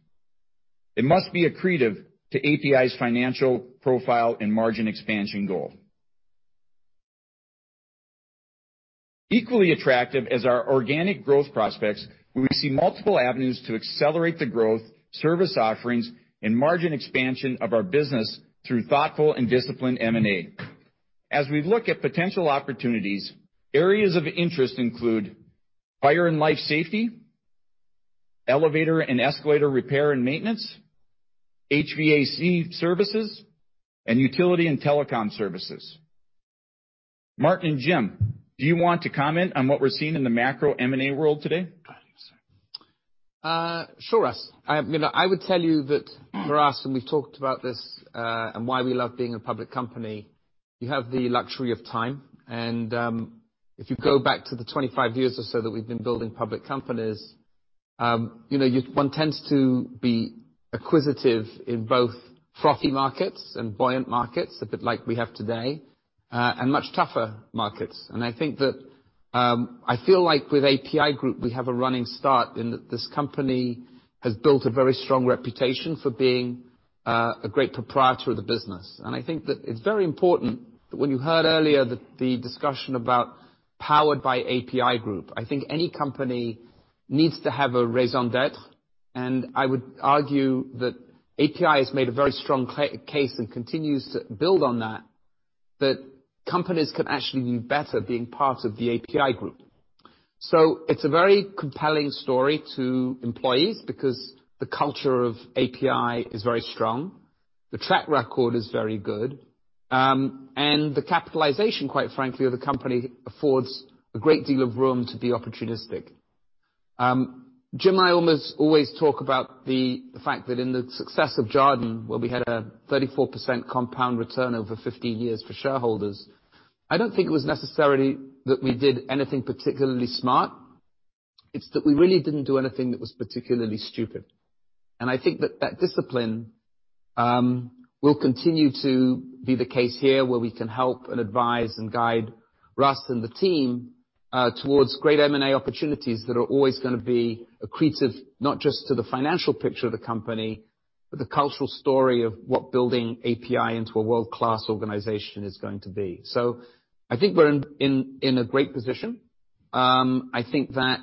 It must be accretive to APi's financial profile and margin expansion goal. Equally attractive as our organic growth prospects, we see multiple avenues to accelerate the growth, service offerings, and margin expansion of our business through thoughtful and disciplined M&A. As we look at potential opportunities, areas of interest include fire and life safety, elevator and escalator repair and maintenance, HVAC services, and utility and telecom services. Martin and Jim, do you want to comment on what we're seeing in the macro M&A world today? Sure, Russ. I would tell you that for us, and we've talked about this and why we love being a public company, you have the luxury of time. And if you go back to the 25 years or so that we've been building public companies, one tends to be acquisitive in both frothy markets and buoyant markets, a bit like we have today, and much tougher markets. And I feel like with APi Group, we have a running start in that this company has built a very strong reputation for being a great proprietor of the business. And I think that it's very important that when you heard earlier the discussion about powered by APi Group, I think any company needs to have a raison d'être. I would argue that APi has made a very strong case and continues to build on that, that companies can actually do better being part of the APi Group. So it's a very compelling story to employees because the culture of APi is very strong. The track record is very good. The capitalization, quite frankly, of the company affords a great deal of room to be opportunistic. Jim, I almost always talk about the fact that in the success of Jarden, where we had a 34% compound return over 15 years for shareholders, I don't think it was necessarily that we did anything particularly smart. It's that we really didn't do anything that was particularly stupid. I think that that discipline will continue to be the case here, where we can help and advise and guide Russ and the team towards great M&A opportunities that are always going to be accretive not just to the financial picture of the company, but the cultural story of what building APi into a world-class organization is going to be. So I think we're in a great position. I think that,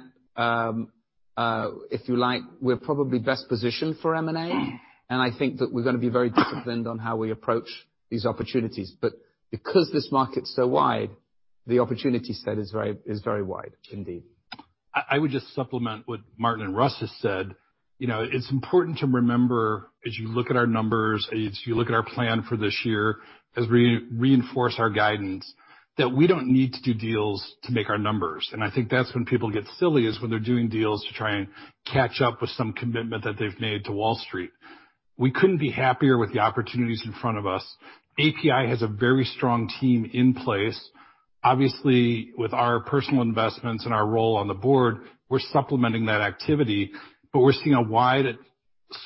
if you like, we're probably best positioned for M&A. And I think that we're going to be very disciplined on how we approach these opportunities. But because this market's so wide, the opportunity set is very wide, indeed. I would just supplement what Martin and Russ have said. It's important to remember, as you look at our numbers, as you look at our plan for this year, as we reinforce our guidance, that we don't need to do deals to make our numbers. And I think that's when people get silly, is when they're doing deals to try and catch up with some commitment that they've made to Wall Street. We couldn't be happier with the opportunities in front of us. APi has a very strong team in place. Obviously, with our personal investments and our role on the board, we're supplementing that activity, but we're seeing a wide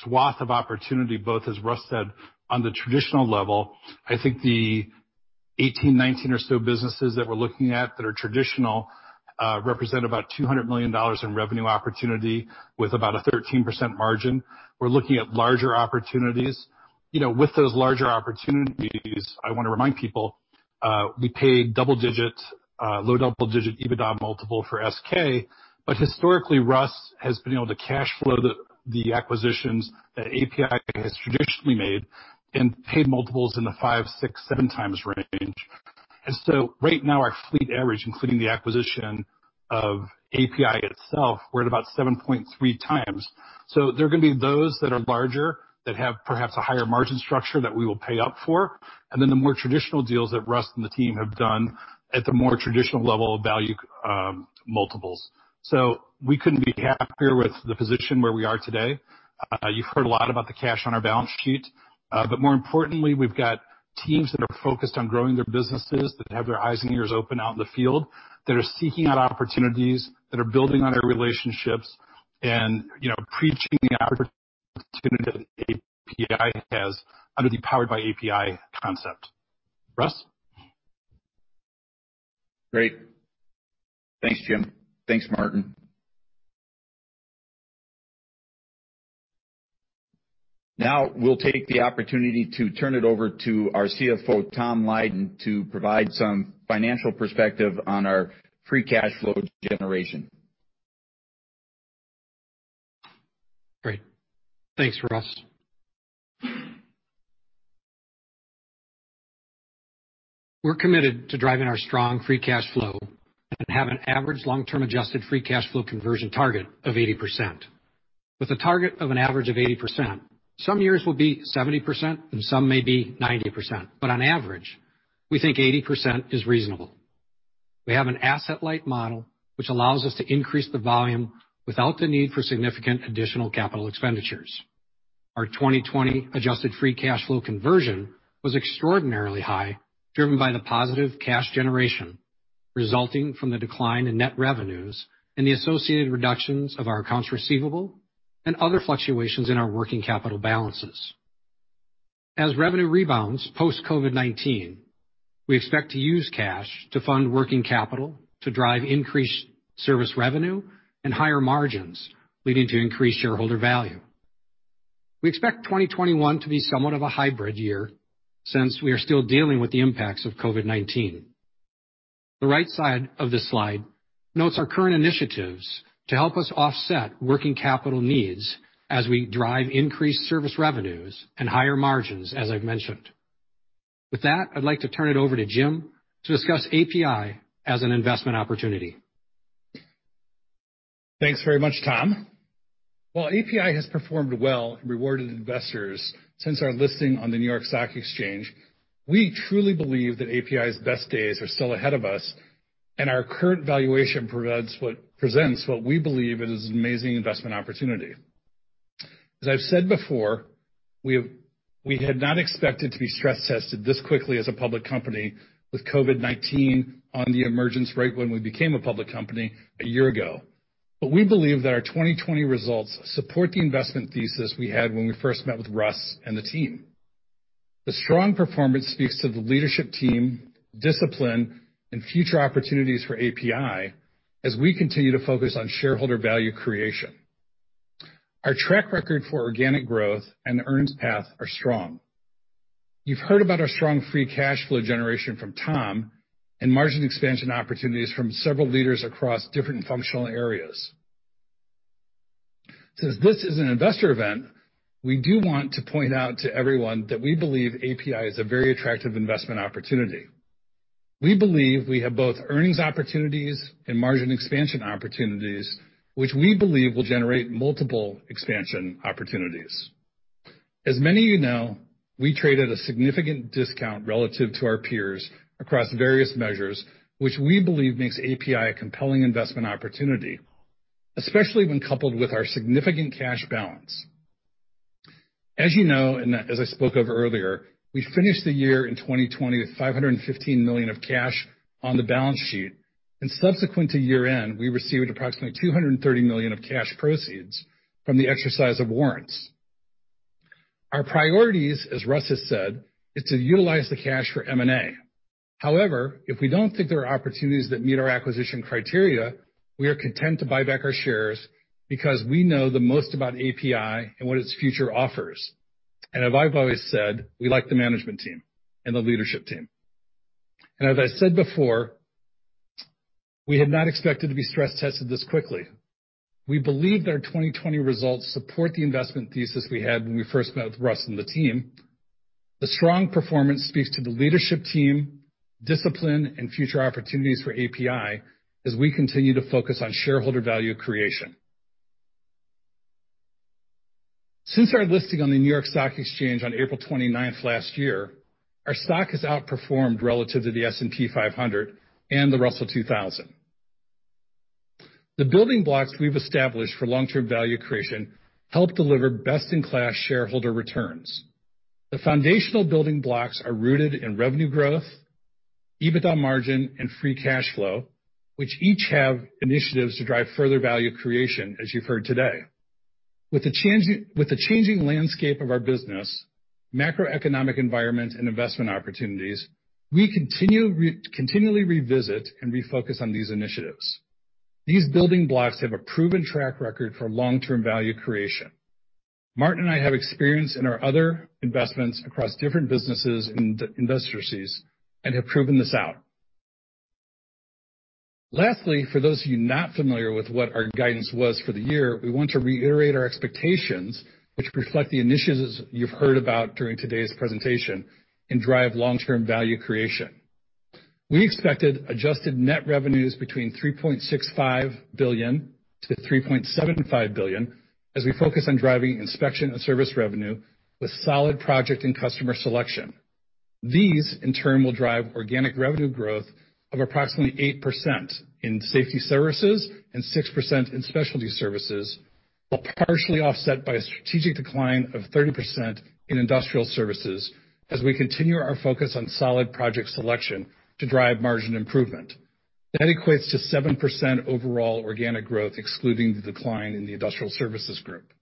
swath of opportunity, both, as Russ said, on the traditional level. I think the 18, 19 or so businesses that we're looking at that are traditional represent about $200 million in revenue opportunity with about a 13% margin. We're looking at larger opportunities. With those larger opportunities, I want to remind people, we paid low double-digit EBITDA multiple for SK, but historically, Russ has been able to cash flow the acquisitions that APi has traditionally made and paid multiples in the five, six, seven times range, and so right now, our fleet average, including the acquisition of APi itself, we're at about 7.3 times, so there are going to be those that are larger that have perhaps a higher margin structure that we will pay up for, and then the more traditional deals that Russ and the team have done at the more traditional level of value multiples, so we couldn't be happier with the position where we are today. You've heard a lot about the cash on our balance sheet, but more importantly, we've got teams that are focused on growing their businesses, that have their eyes and ears open out in the field, that are seeking out opportunities, that are building on our relationships, and preaching the opportunity that APi has under the powered-by-APi concept. Russ? Great. Thanks, Jim. Thanks, Martin. Now, we'll take the opportunity to turn it over to our CFO, Tom Lydon, to provide some financial perspective on our free cash flow generation. Great. Thanks, Russ. We're committed to driving our strong free cash flow and have an average long-term adjusted free cash flow conversion target of 80%. With a target of an average of 80%, some years will be 70% and some may be 90%, but on average, we think 80% is reasonable. We have an asset-light model which allows us to increase the volume without the need for significant additional capital expenditures. Our 2020 Adjusted Free Cash Flow conversion was extraordinarily high, driven by the positive cash generation resulting from the decline in net revenues and the associated reductions of our accounts receivable and other fluctuations in our working capital balances. As revenue rebounds post-COVID-19, we expect to use cash to fund working capital to drive increased service revenue and higher margins, leading to increased shareholder value. We expect 2021 to be somewhat of a hybrid year since we are still dealing with the impacts of COVID-19. The right side of this slide notes our current initiatives to help us offset working capital needs as we drive increased service revenues and higher margins, as I've mentioned. With that, I'd like to turn it over to Jim to discuss APi as an investment opportunity. Thanks very much, Tom. While APi has performed well and rewarded investors since our listing on the New York Stock Exchange, we truly believe that APi's best days are still ahead of us, and our current valuation presents what we believe is an amazing investment opportunity. As I've said before, we had not expected to be stress tested this quickly as a public company with COVID-19 emerging right when we became a public company a year ago. But we believe that our 2020 results support the investment thesis we had when we first met with Russ and the team. The strong performance speaks to the leadership team, discipline, and future opportunities for APi as we continue to focus on shareholder value creation. Our track record for organic growth and earnings path are strong. You've heard about our strong free cash flow generation from Tom and margin expansion opportunities from several leaders across different functional areas. Since this is an investor event, we do want to point out to everyone that we believe APi is a very attractive investment opportunity. We believe we have both earnings opportunities and margin expansion opportunities, which we believe will generate multiple expansion opportunities. As many of you know, we trade at a significant discount relative to our peers across various measures, which we believe makes APi a compelling investment opportunity, especially when coupled with our significant cash balance. As you know, and as I spoke of earlier, we finished the year in 2020 with $515 million of cash on the balance sheet, and subsequent to year-end, we received approximately $230 million of cash proceeds from the exercise of warrants. Our priorities, as Russ has said, is to utilize the cash for M&A. However, if we don't think there are opportunities that meet our acquisition criteria, we are content to buy back our shares because we know the most about APi and what its future offers, and as I've always said, we like the management team and the leadership team, and as I said before, we had not expected to be stress tested this quickly. We believe that our 2020 results support the investment thesis we had when we first met with Russ and the team. The strong performance speaks to the leadership team, discipline, and future opportunities for APi as we continue to focus on shareholder value creation. Since our listing on the New York Stock Exchange on April 29th last year, our stock has outperformed relative to the S&P 500 and the Russell 2000. The building blocks we've established for long-term value creation help deliver best-in-class shareholder returns. The foundational building blocks are rooted in revenue growth, EBITDA margin, and free cash flow, which each have initiatives to drive further value creation, as you've heard today. With the changing landscape of our business, macroeconomic environment, and investment opportunities, we continually revisit and refocus on these initiatives. These building blocks have a proven track record for long-term value creation. Martin and I have experience in our other investments across different businesses and industries and have proven this out. Lastly, for those of you not familiar with what our guidance was for the year, we want to reiterate our expectations, which reflect the initiatives you've heard about during today's presentation, and drive long-term value creation. We expected Adjusted Net Revenues between $3.65 billion-$3.75 billion as we focus on driving inspection and service revenue with solid project and customer selection. These, in turn, will drive organic revenue growth of approximately 8% in Safety Services segment and 6% in Specialty Services, while partially offset by a strategic decline of 30% in Industrial Services as we continue our focus on solid project selection to drive margin improvement. That equates to 7% overall organic growth, excluding the decline in the Industrial Services group.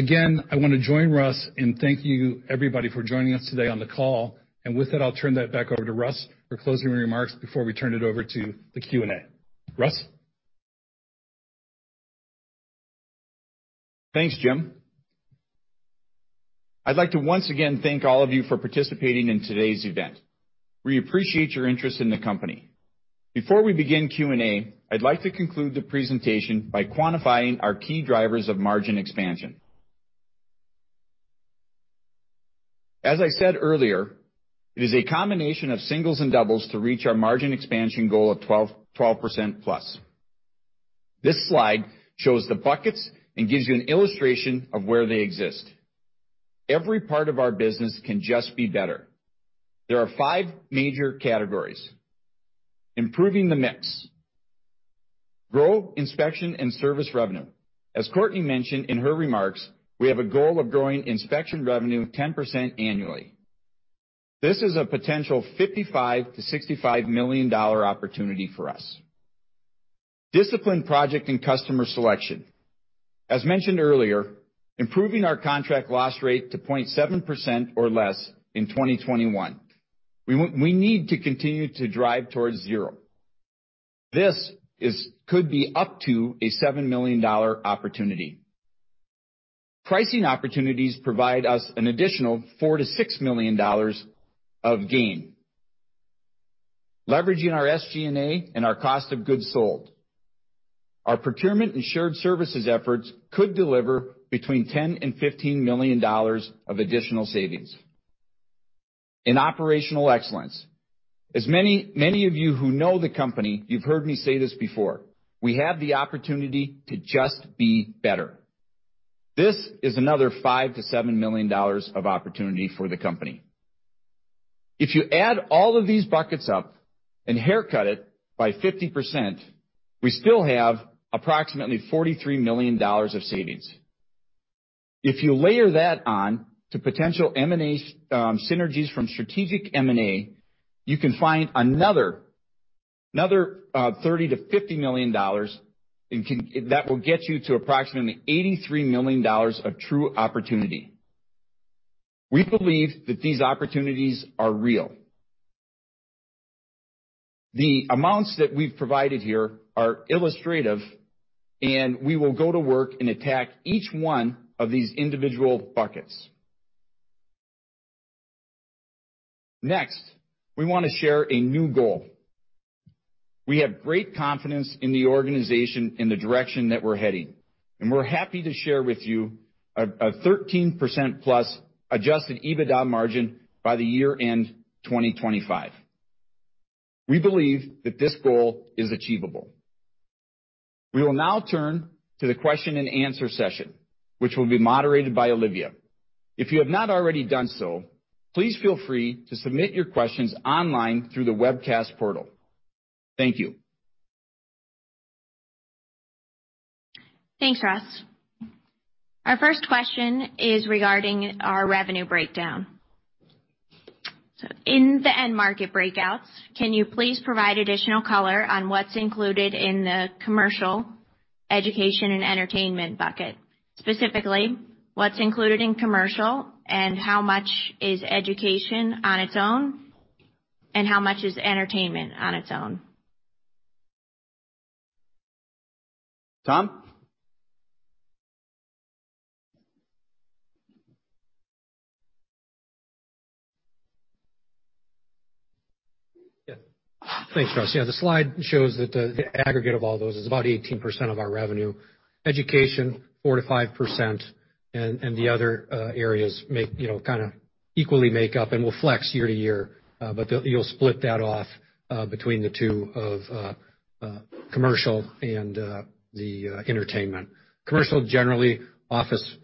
Again, I want to join Russ in thanking everybody for joining us today on the call. And with that, I'll turn that back over to Russ for closing remarks before we turn it over to the Q&A. Russ? Thanks, Jim. I'd like to once again thank all of you for participating in today's event. We appreciate your interest in the company. Before we begin Q&A, I'd like to conclude the presentation by quantifying our key drivers of margin expansion. As I said earlier, it is a combination of singles and doubles to reach our margin expansion goal of 12% plus. This slide shows the buckets and gives you an illustration of where they exist. Every part of our business can just be better. There are five major categories: improving the mix, grow inspection and service revenue. As Courtney mentioned in her remarks, we have a goal of growing inspection revenue 10% annually. This is a potential $55-$65 million opportunity for us. Disciplined project and customer selection. As mentioned earlier, improving our contract loss rate to 0.7% or less in 2021. We need to continue to drive towards zero. This could be up to a $7 million opportunity. Pricing opportunities provide us an additional $4 million-$6 million of gain, leveraging our SG&A and our cost of goods sold. Our procurement and shared services efforts could deliver between $10 million and $15 million of additional savings. Operational excellence. As many of you who know the company, you've heard me say this before: we have the opportunity to just be better. This is another $5 million-$7 million of opportunity for the company. If you add all of these buckets up and haircut it by 50%, we still have approximately $43 million of savings. If you layer that on to potential synergies from strategic M&A, you can find another $30 million-$50 million that will get you to approximately $83 million of true opportunity. We believe that these opportunities are real. The amounts that we've provided here are illustrative, and we will go to work and attack each one of these individual buckets. Next, we want to share a new goal. We have great confidence in the organization and the direction that we're heading, and we're happy to share with you a 13% plus Adjusted EBITDA margin by the year-end 2025. We believe that this goal is achievable. We will now turn to the question-and-answer session, which will be moderated by Olivia. If you have not already done so, please feel free to submit your questions online through the webcast portal. Thank you. Thanks, Russ. Our first question is regarding our revenue breakdown. So in the end market breakouts, can you please provide additional color on what's included in the commercial, education, and entertainment bucket? Specifically, what's included in commercial, and how much is education on its own, and how much is entertainment on its own? Tom? Yes. Thanks, Russ. Yeah, the slide shows that the aggregate of all those is about 18% of our revenue. Education, 4%-5%, and the other areas kind of equally make up and will flex year to year, but you'll split that off between the two of commercial and the entertainment. Commercial, generally, office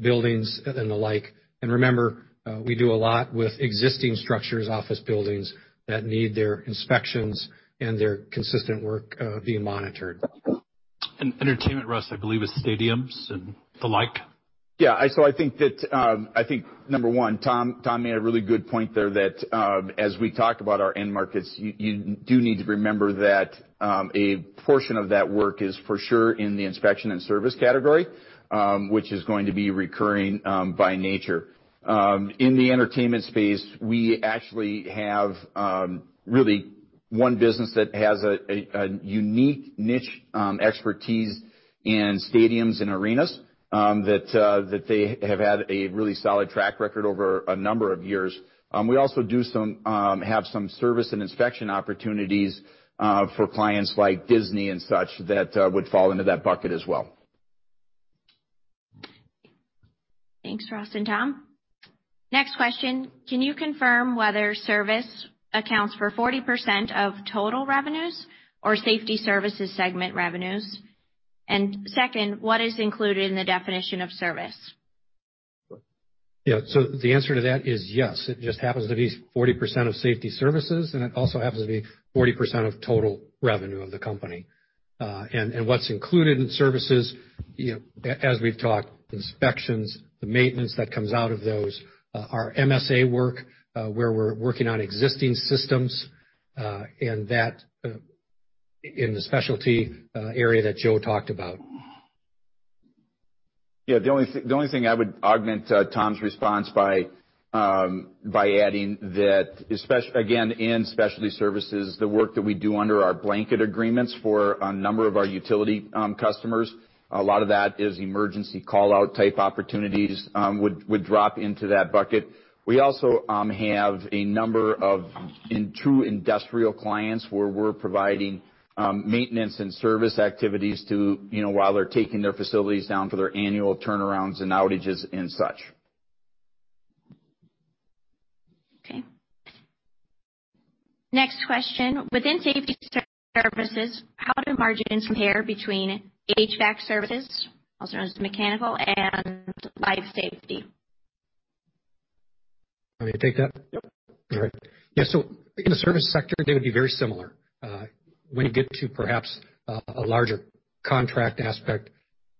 buildings and the like. And remember, we do a lot with existing structures, office buildings that need their inspections and their consistent work being monitored. And entertainment, Russ, I believe, is stadiums and the like. Yeah. I think that, I think number one, Tom made a really good point there that as we talk about our end markets, you do need to remember that a portion of that work is for sure in the inspection and service category, which is going to be recurring by nature. In the entertainment space, we actually have really one business that has a unique niche expertise in stadiums and arenas that they have had a really solid track record over a number of years. We also have some service and inspection opportunities for clients like Disney and such that would fall into that bucket as well. Thanks, Russ and Tom. Next question: Can you confirm whether service accounts for 40% of total revenues or Safety Services segment revenues? And second, what is included in the definition of service? Yeah. The answer to that is yes. It just happens to be 40% of Safety Services, and it also happens to be 40% of total revenue of the company. And what's included in services, as we've talked, inspections, the maintenance that comes out of those, our MSA work where we're working on existing systems, and that in the specialty area that Joe talked about. Yeah. The only thing I would augment Tom's response by adding that, again, in Specialty Services, the work that we do under our blanket agreements for a number of our utility customers, a lot of that is emergency call-out type opportunities would drop into that bucket. We also have a number of true industrial clients where we're providing maintenance and service activities while they're taking their facilities down for their annual turnarounds and outages and such. Okay. Next question: within Safety Services, how do margins compare between HVAC services, also known as mechanical, and life safety? May I take that? Yep. All right. Yeah. So in the service sector, they would be very similar. When you get to perhaps a larger contract aspect,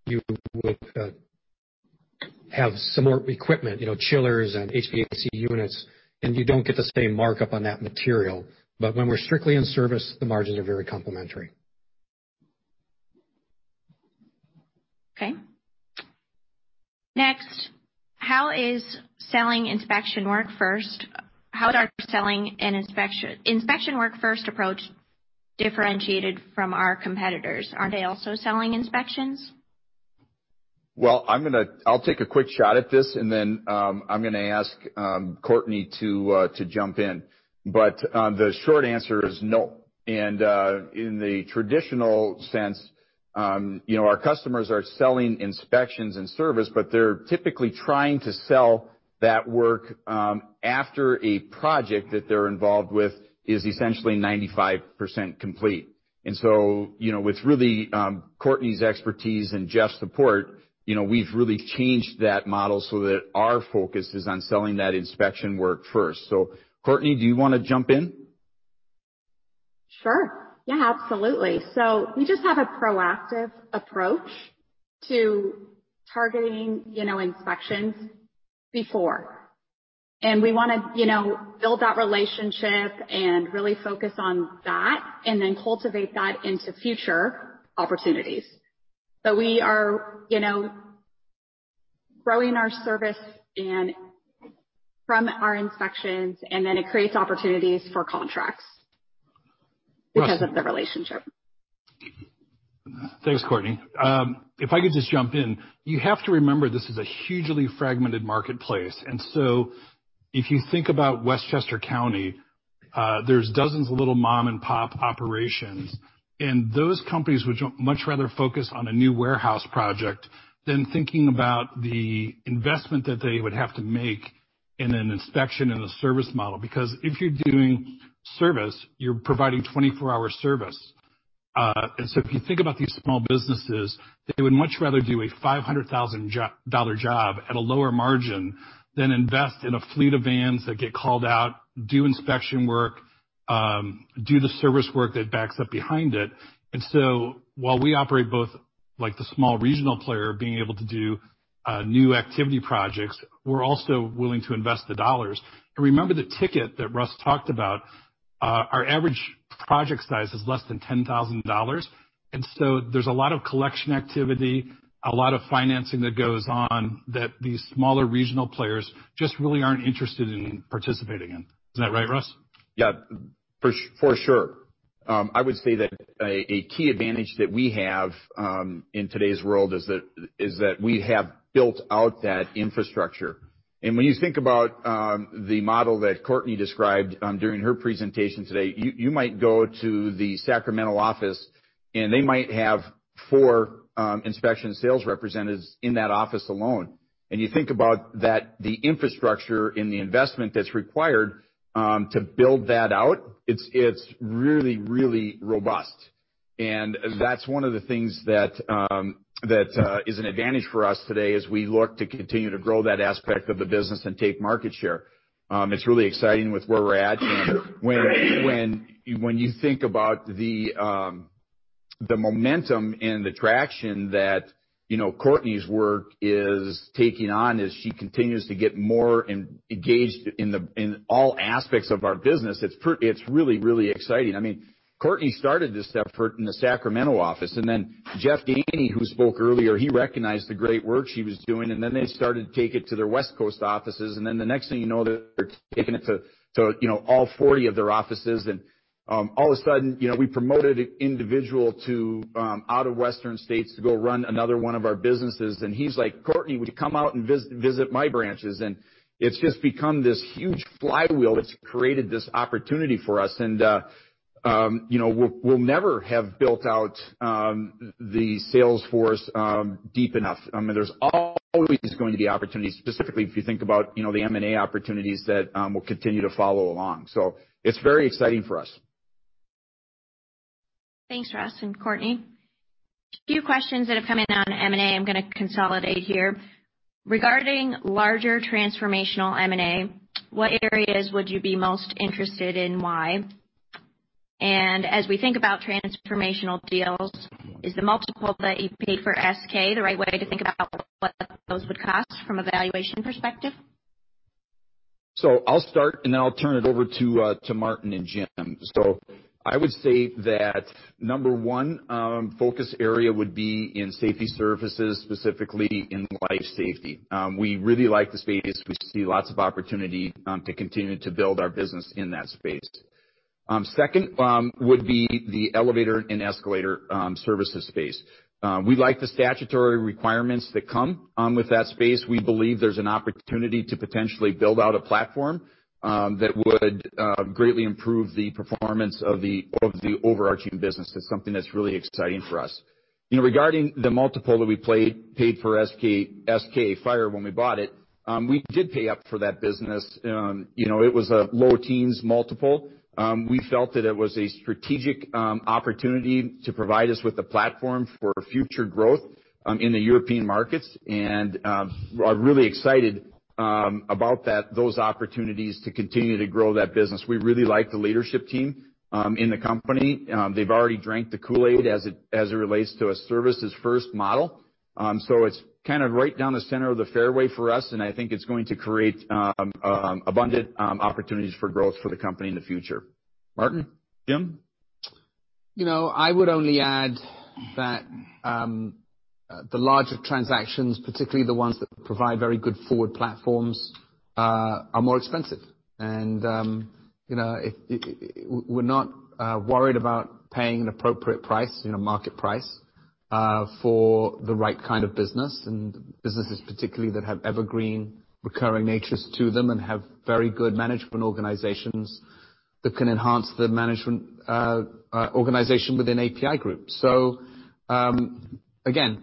you would have some more equipment, chillers and HVAC units, and you don't get the same markup on that material. But when we're strictly in service, the margins are very complementary. Okay. Next, how is selling inspection work first? How would our selling and inspection work first approach differentiate from our competitors? Aren't they also selling inspections? Well, I'll take a quick shot at this, and then I'm going to ask Courtney to jump in. But the short answer is no. In the traditional sense, our customers are selling inspections and service, but they're typically trying to sell that work after a project that they're involved with is essentially 95% complete. And so with really Courtney's expertise and Jeff's support, we've really changed that model so that our focus is on selling that inspection work first. So Courtney, do you want to jump in? Sure. Yeah, absolutely. So we just have a proactive approach to targeting inspections before. And we want to build that relationship and really focus on that and then cultivate that into future opportunities. So we are growing our service from our inspections, and then it creates opportunities for contracts because of the relationship. Thanks, Courtney. If I could just jump in, you have to remember this is a hugely fragmented marketplace. And so if you think about Westchester County, there's dozens of little mom-and-pop operations. Those companies would much rather focus on a new warehouse project than thinking about the investment that they would have to make in an inspection and a service model. Because if you're doing service, you're providing 24-hour service. And so if you think about these small businesses, they would much rather do a $500,000 job at a lower margin than invest in a fleet of vans that get called out, do inspection work, do the service work that backs up behind it. And so while we operate both like the small regional player being able to do new activity projects, we're also willing to invest the dollars. And remember the ticket that Russ talked about, our average project size is less than $10,000. And so there's a lot of collection activity, a lot of financing that goes on that these smaller regional players just really aren't interested in participating in. Is that right, Russ? Yeah. For sure. I would say that a key advantage that we have in today's world is that we have built out that infrastructure. And when you think about the model that Courtney described during her presentation today, you might go to the Sacramento office, and they might have four inspection sales representatives in that office alone. And you think about the infrastructure and the investment that's required to build that out, it's really, really robust. And that's one of the things that is an advantage for us today as we look to continue to grow that aspect of the business and take market share. It's really exciting with where we're at. And when you think about the momentum and the traction that Courtney's work is taking on as she continues to get more engaged in all aspects of our business, it's really, really exciting. I mean, Courtney started this effort in the Sacramento office. Jeff Daane, who spoke earlier, recognized the great work she was doing. They started to take it to their West Coast offices. The next thing you know, they're taking it to all 40 of their offices. All of a sudden, we promoted an individual out of Western States to go run another one of our businesses. He's like, "Courtney, would you come out and visit my branches?" It's just become this huge flywheel that's created this opportunity for us. We'll never have built out the sales force deep enough. I mean, there's always going to be opportunities, specifically if you think about the M&A opportunities that will continue to follow along. So it's very exciting for us. Thanks, Russ and Courtney. A few questions that have come in on M&A I'm going to consolidate here. Regarding larger transformational M&A, what areas would you be most interested in and why? And as we think about transformational deals, is the multiple that you pay for SK the right way to think about what those would cost from a valuation perspective? So I'll start, and then I'll turn it over to Martin and Jim. So I would say that number one focus area would be in Safety Services, specifically in life safety. We really like the space. We see lots of opportunity to continue to build our business in that space. Second would be the elevator and escalator services space. We like the statutory requirements that come with that space. We believe there's an opportunity to potentially build out a platform that would greatly improve the performance of the overarching business. It's something that's really exciting for us. Regarding the multiple that we paid for SK Fire when we bought it, we did pay up for that business. It was a low teens multiple. We felt that it was a strategic opportunity to provide us with a platform for future growth in the European markets, and we're really excited about those opportunities to continue to grow that business. We really like the leadership team in the company. They've already drank the Kool-Aid as it relates to a services-first model, so it's kind of right down the center of the fairway for us, and I think it's going to create abundant opportunities for growth for the company in the future. Martin, Jim? I would only add that the larger transactions, particularly the ones that provide very good forward platforms, are more expensive. And we're not worried about paying an appropriate price, market price, for the right kind of business. And businesses, particularly, that have evergreen recurring natures to them and have very good management organizations that can enhance the management organization within APi Group. So again,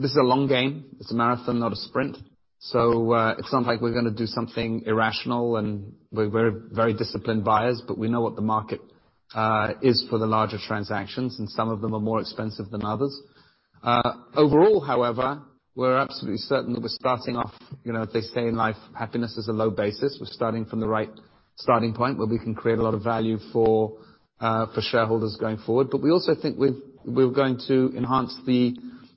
this is a long game. It's a marathon, not a sprint. So it's not like we're going to do something irrational, and we're very disciplined buyers, but we know what the market is for the larger transactions, and some of them are more expensive than others. Overall, however, we're absolutely certain that we're starting off, as they say in life, happiness is a low basis. We're starting from the right starting point where we can create a lot of value for shareholders going forward. But we also think we're going to enhance the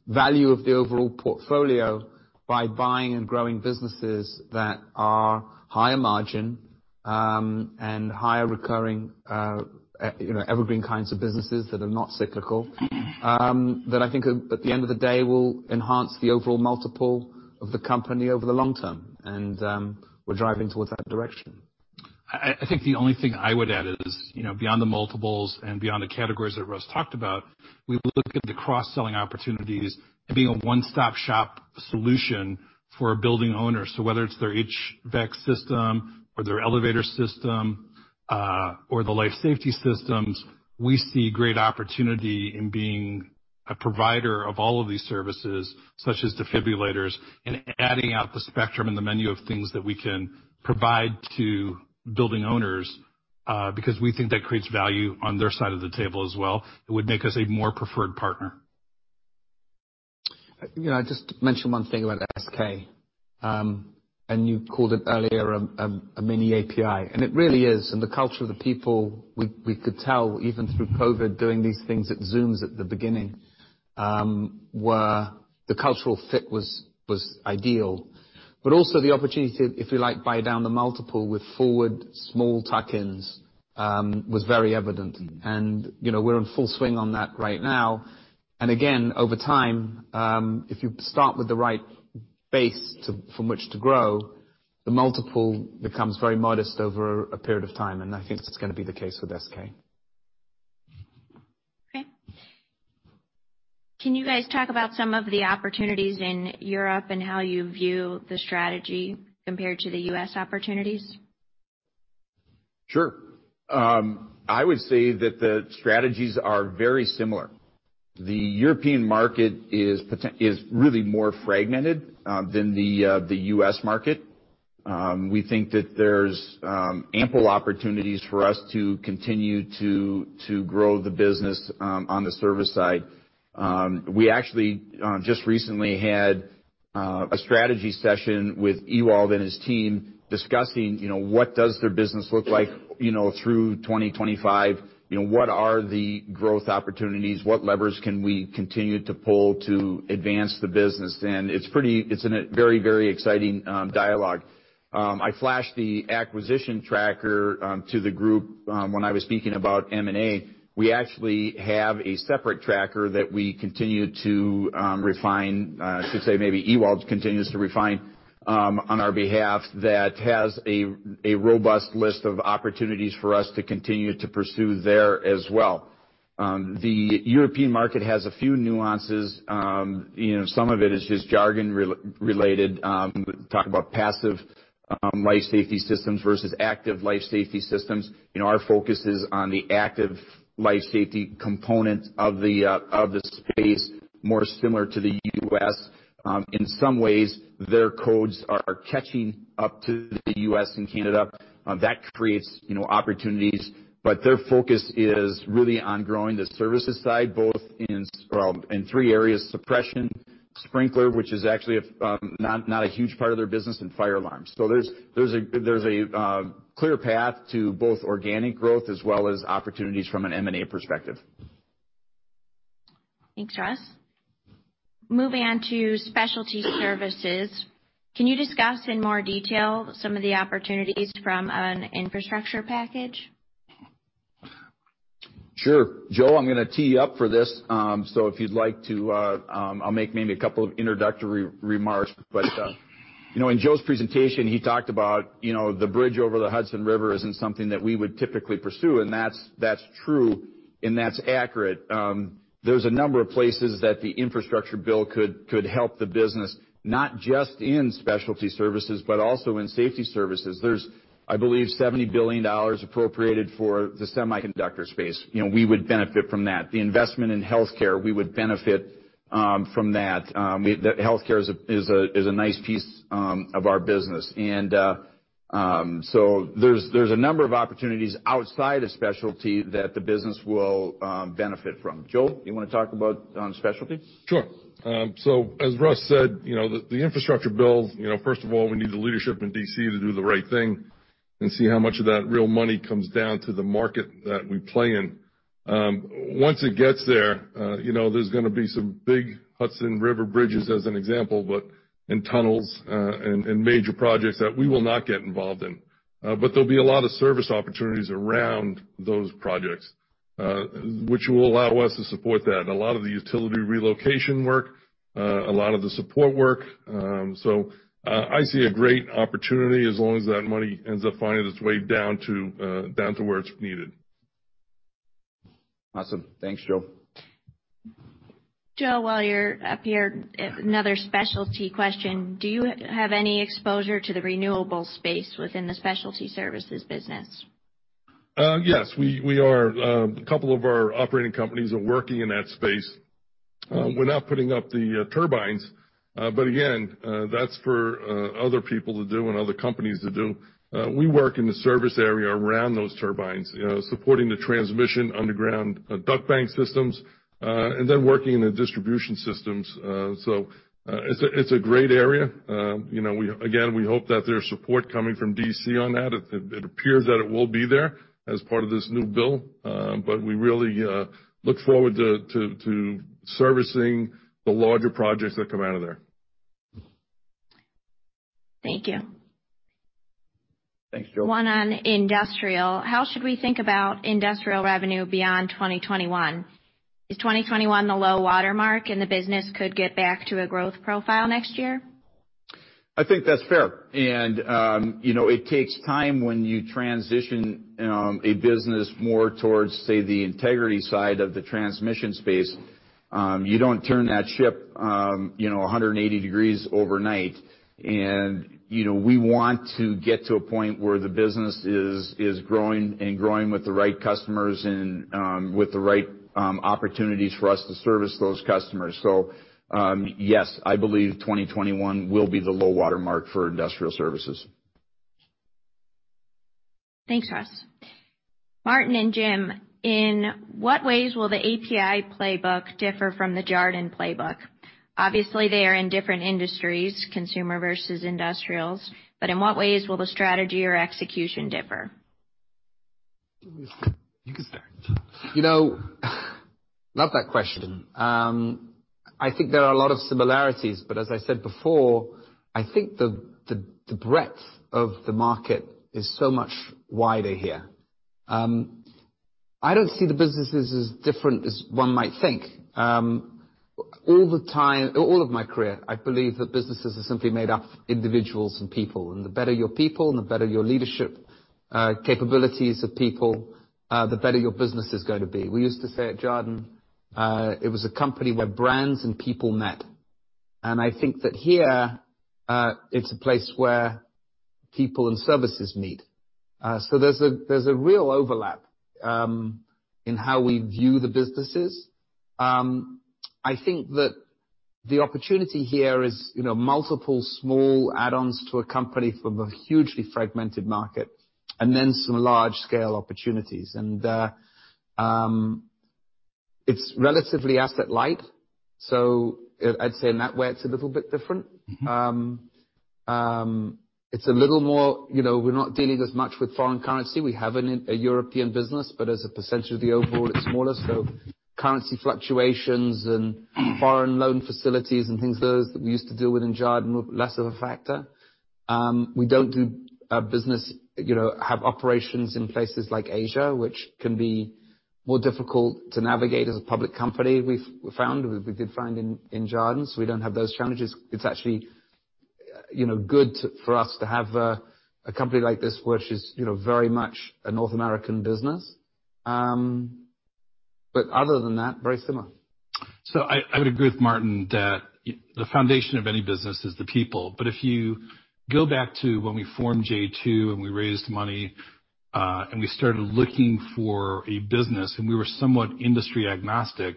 value of the overall portfolio by buying and growing businesses that are higher margin and higher recurring evergreen kinds of businesses that are not cyclical, that I think at the end of the day will enhance the overall multiple of the company over the long term. And we're driving towards that direction. I think the only thing I would add is beyond the multiples and beyond the categories that Russ talked about, we look at the cross-selling opportunities and being a one-stop-shop solution for a building owner. So whether it's their HVAC system or their elevator system or the life safety systems, we see great opportunity in being a provider of all of these services, such as defibrillators, and adding to the spectrum and the menu of things that we can provide to building owners because we think that creates value on their side of the table as well. It would make us a more preferred partner. I just mentioned one thing about SK, and you called it earlier a mini API. And it really is. And the culture of the people, we could tell even through COVID doing these things at Zooms at the beginning, the cultural fit was ideal. But also the opportunity, if you like, buy down the multiple with forward small tuck-ins was very evident. And we're in full swing on that right now. And again, over time, if you start with the right base from which to grow, the multiple becomes very modest over a period of time. And I think that's going to be the case with SK. Okay. Can you guys talk about some of the opportunities in Europe and how you view the strategy compared to the U.S. opportunities? Sure. I would say that the strategies are very similar. The European market is really more fragmented than the U.S. market. We think that there's ample opportunities for us to continue to grow the business on the service side. We actually just recently had a strategy session with Ewald and his team discussing what does their business look like through 2025, what are the growth opportunities, what levers can we continue to pull to advance the business. And it's a very, very exciting dialogue. I flashed the acquisition tracker to the group when I was speaking about M&A. We actually have a separate tracker that we continue to refine, I should say maybe Ewald continues to refine on our behalf, that has a robust list of opportunities for us to continue to pursue there as well. The European market has a few nuances. Some of it is just jargon related. We talk about passive life safety systems versus active life safety systems. Our focus is on the active life safety component of the space, more similar to the U.S. In some ways, their codes are catching up to the U.S. and Canada. That creates opportunities. But their focus is really on growing the services side, both in three areas: suppression, sprinkler, which is actually not a huge part of their business, and fire alarms. So there's a clear path to both organic growth as well as opportunities from an M&A perspective. Thanks, Russ. Moving on to Specialty Services, can you discuss in more detail some of the opportunities from an infrastructure package? Sure. Joe, I'm going to tee you up for this. So if you'd like to, I'll make maybe a couple of introductory remarks. But in Joe's presentation, he talked about the bridge over the Hudson River isn't something that we would typically pursue. And that's true, and that's accurate. There's a number of places that the infrastructure bill could help the business, not just in Specialty Services, but also in Safety Services. There's, I believe, $70 billion appropriated for the semiconductor space. We would benefit from that. The investment in healthcare, we would benefit from that. Healthcare is a nice piece of our business. And so there's a number of opportunities outside of specialty that the business will benefit from. Joe, you want to talk about specialty? Sure. So as Russ said, the infrastructure bill, first of all, we need the leadership in D.C. to do the right thing and see how much of that real money comes down to the market that we play in. Once it gets there, there's going to be some big Hudson River bridges as an example, and tunnels, and major projects that we will not get involved in. But there'll be a lot of service opportunities around those projects, which will allow us to support that. A lot of the utility relocation work, a lot of the support work. So I see a great opportunity as long as that money ends up finding its way down to where it's needed. Awesome. Thanks, Joe. Joe, while you're up here, another specialty question. Do you have any exposure to the renewable space within the Specialty Services business? Yes, we are. A couple of our operating companies are working in that space. We're not putting up the turbines, but again, that's for other people to do and other companies to do. We work in the service area around those turbines, supporting the transmission underground duct bank systems, and then working in the distribution systems. So it's a great area. Again, we hope that there's support coming from D.C. on that. It appears that it will be there as part of this new bill. But we really look forward to servicing the larger projects that come out of there. Thank you. Thanks, Joe. One on industrial. How should we think about industrial revenue beyond 2021? Is 2021 the low watermark and the business could get back to a growth profile next year? I think that's fair. And it takes time when you transition a business more towards, say, the integrity side of the transmission space. You don't turn that ship 180 degrees overnight. And we want to get to a point where the business is growing and growing with the right customers and with the right opportunities for us to service those customers. So yes, I believe 2021 will be the low watermark for Industrial Services. Thanks, Russ. Martin and Jim, in what ways will the APi playbook differ from the Jarden playbook? Obviously, they are in different industries, consumer versus industrials. But in what ways will the strategy or execution differ? You can start. Not that question. I think there are a lot of similarities. But as I said before, I think the breadth of the market is so much wider here. I don't see the businesses as different as one might think. All of my career, I believe that businesses are simply made up of individuals and people. And the better your people and the better your leadership capabilities of people, the better your business is going to be. We used to say at Jarden, it was a company where brands and people met. And I think that here, it's a place where people and services meet. So there's a real overlap in how we view the businesses. I think that the opportunity here is multiple small add-ons to a company from a hugely fragmented market and then some large-scale opportunities. And it's relatively asset-light. So I'd say in that way, it's a little bit different. It's a little more. We're not dealing as much with foreign currency. We have a European business, but as a percentage of the overall, it's smaller, so currency fluctuations and foreign loan facilities and things like those that we used to deal with in Jarden were less of a factor. We don't do business, have operations in places like Asia, which can be more difficult to navigate as a public company, we found. We did find in Jarden. We don't have those challenges. It's actually good for us to have a company like this, which is very much a North American business. Other than that, very similar. I would agree with Martin that the foundation of any business is the people. But if you go back to when we formed J2 and we raised money and we started looking for a business, and we were somewhat industry agnostic,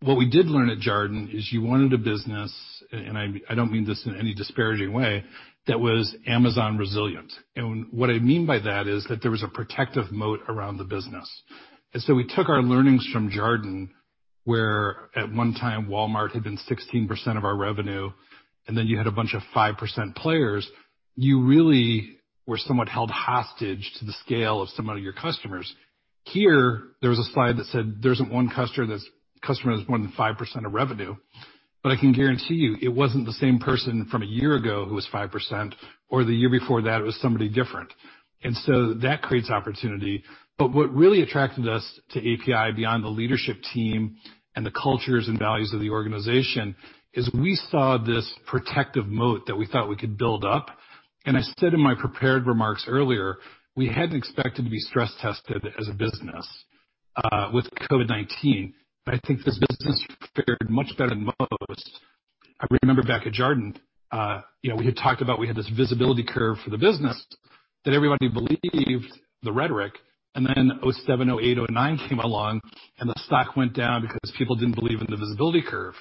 what we did learn at Jarden is you wanted a business, and I don't mean this in any disparaging way, that was Amazon resilient. And what I mean by that is that there was a protective moat around the business. And so we took our learnings from Jarden, where at one time, Walmart had been 16% of our revenue, and then you had a bunch of 5% players. You really were somewhat held hostage to the scale of some of your customers. Here, there was a slide that said there's one customer that's more than 5% of revenue. But I can guarantee you it wasn't the same person from a year ago who was 5%, or the year before that, it was somebody different. And so that creates opportunity. But what really attracted us to APi beyond the leadership team and the cultures and values of the organization is we saw this protective moat that we thought we could build up. And I said in my prepared remarks earlier, we hadn't expected to be stress tested as a business with COVID-19. But I think this business fared much better than most. I remember back at Jarden, we had talked about we had this visibility curve for the business that everybody believed the rhetoric. And then 2007, 2008, 2009 came along, and the stock went down because people didn't believe in the visibility curve.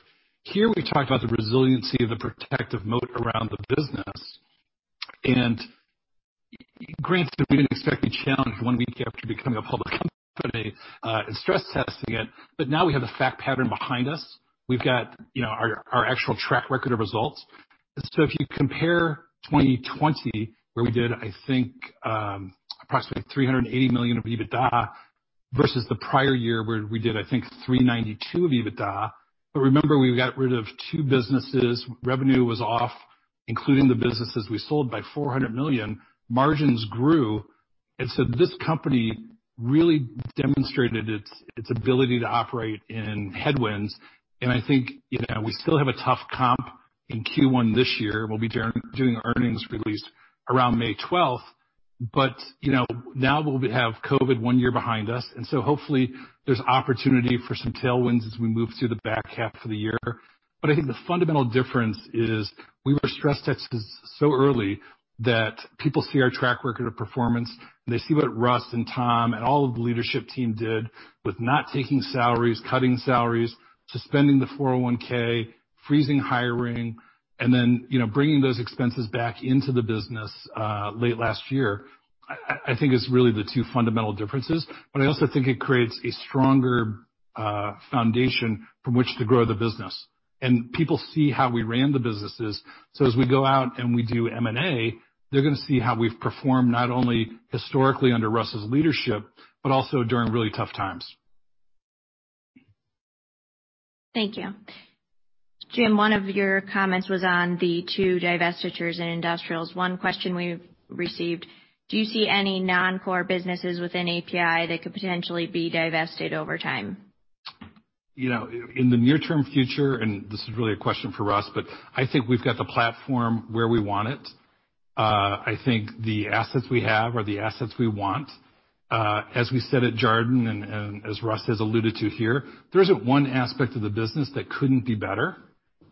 Here, we talked about the resiliency of the protective moat around the business. And granted, we didn't expect to be challenged one week after becoming a public company and stress testing it. But now we have the fact pattern behind us. We've got our actual track record of results. So if you compare 2020, where we did, I think, approximately $380 million of EBITDA versus the prior year where we did, I think, $392 million of EBITDA. But remember, we got rid of two businesses. Revenue was off, including the businesses we sold, by $400 million. Margins grew. And so this company really demonstrated its ability to operate in headwinds. And I think we still have a tough comp in Q1 this year. We'll be doing earnings released around May 12th. But now we'll have COVID one year behind us. And so hopefully, there's opportunity for some tailwinds as we move through the back half of the year. But I think the fundamental difference is we were stress tested so early that people see our track record of performance, and they see what Russ and Tom and all of the leadership team did with not taking salaries, cutting salaries, suspending the 401(k), freezing hiring, and then bringing those expenses back into the business late last year. I think it's really the two fundamental differences. But I also think it creates a stronger foundation from which to grow the business. And people see how we ran the businesses. So as we go out and we do M&A, they're going to see how we've performed not only historically under Russ's leadership, but also during really tough times. Thank you. Jim, one of your comments was on the two divestitures in industrials. One question we've received, do you see any non-core businesses within APi that could potentially be divested over time? In the near-term future, and this is really a question for Russ, but I think we've got the platform where we want it. I think the assets we have are the assets we want. As we said at Jarden and as Russ has alluded to here, there isn't one aspect of the business that couldn't be better,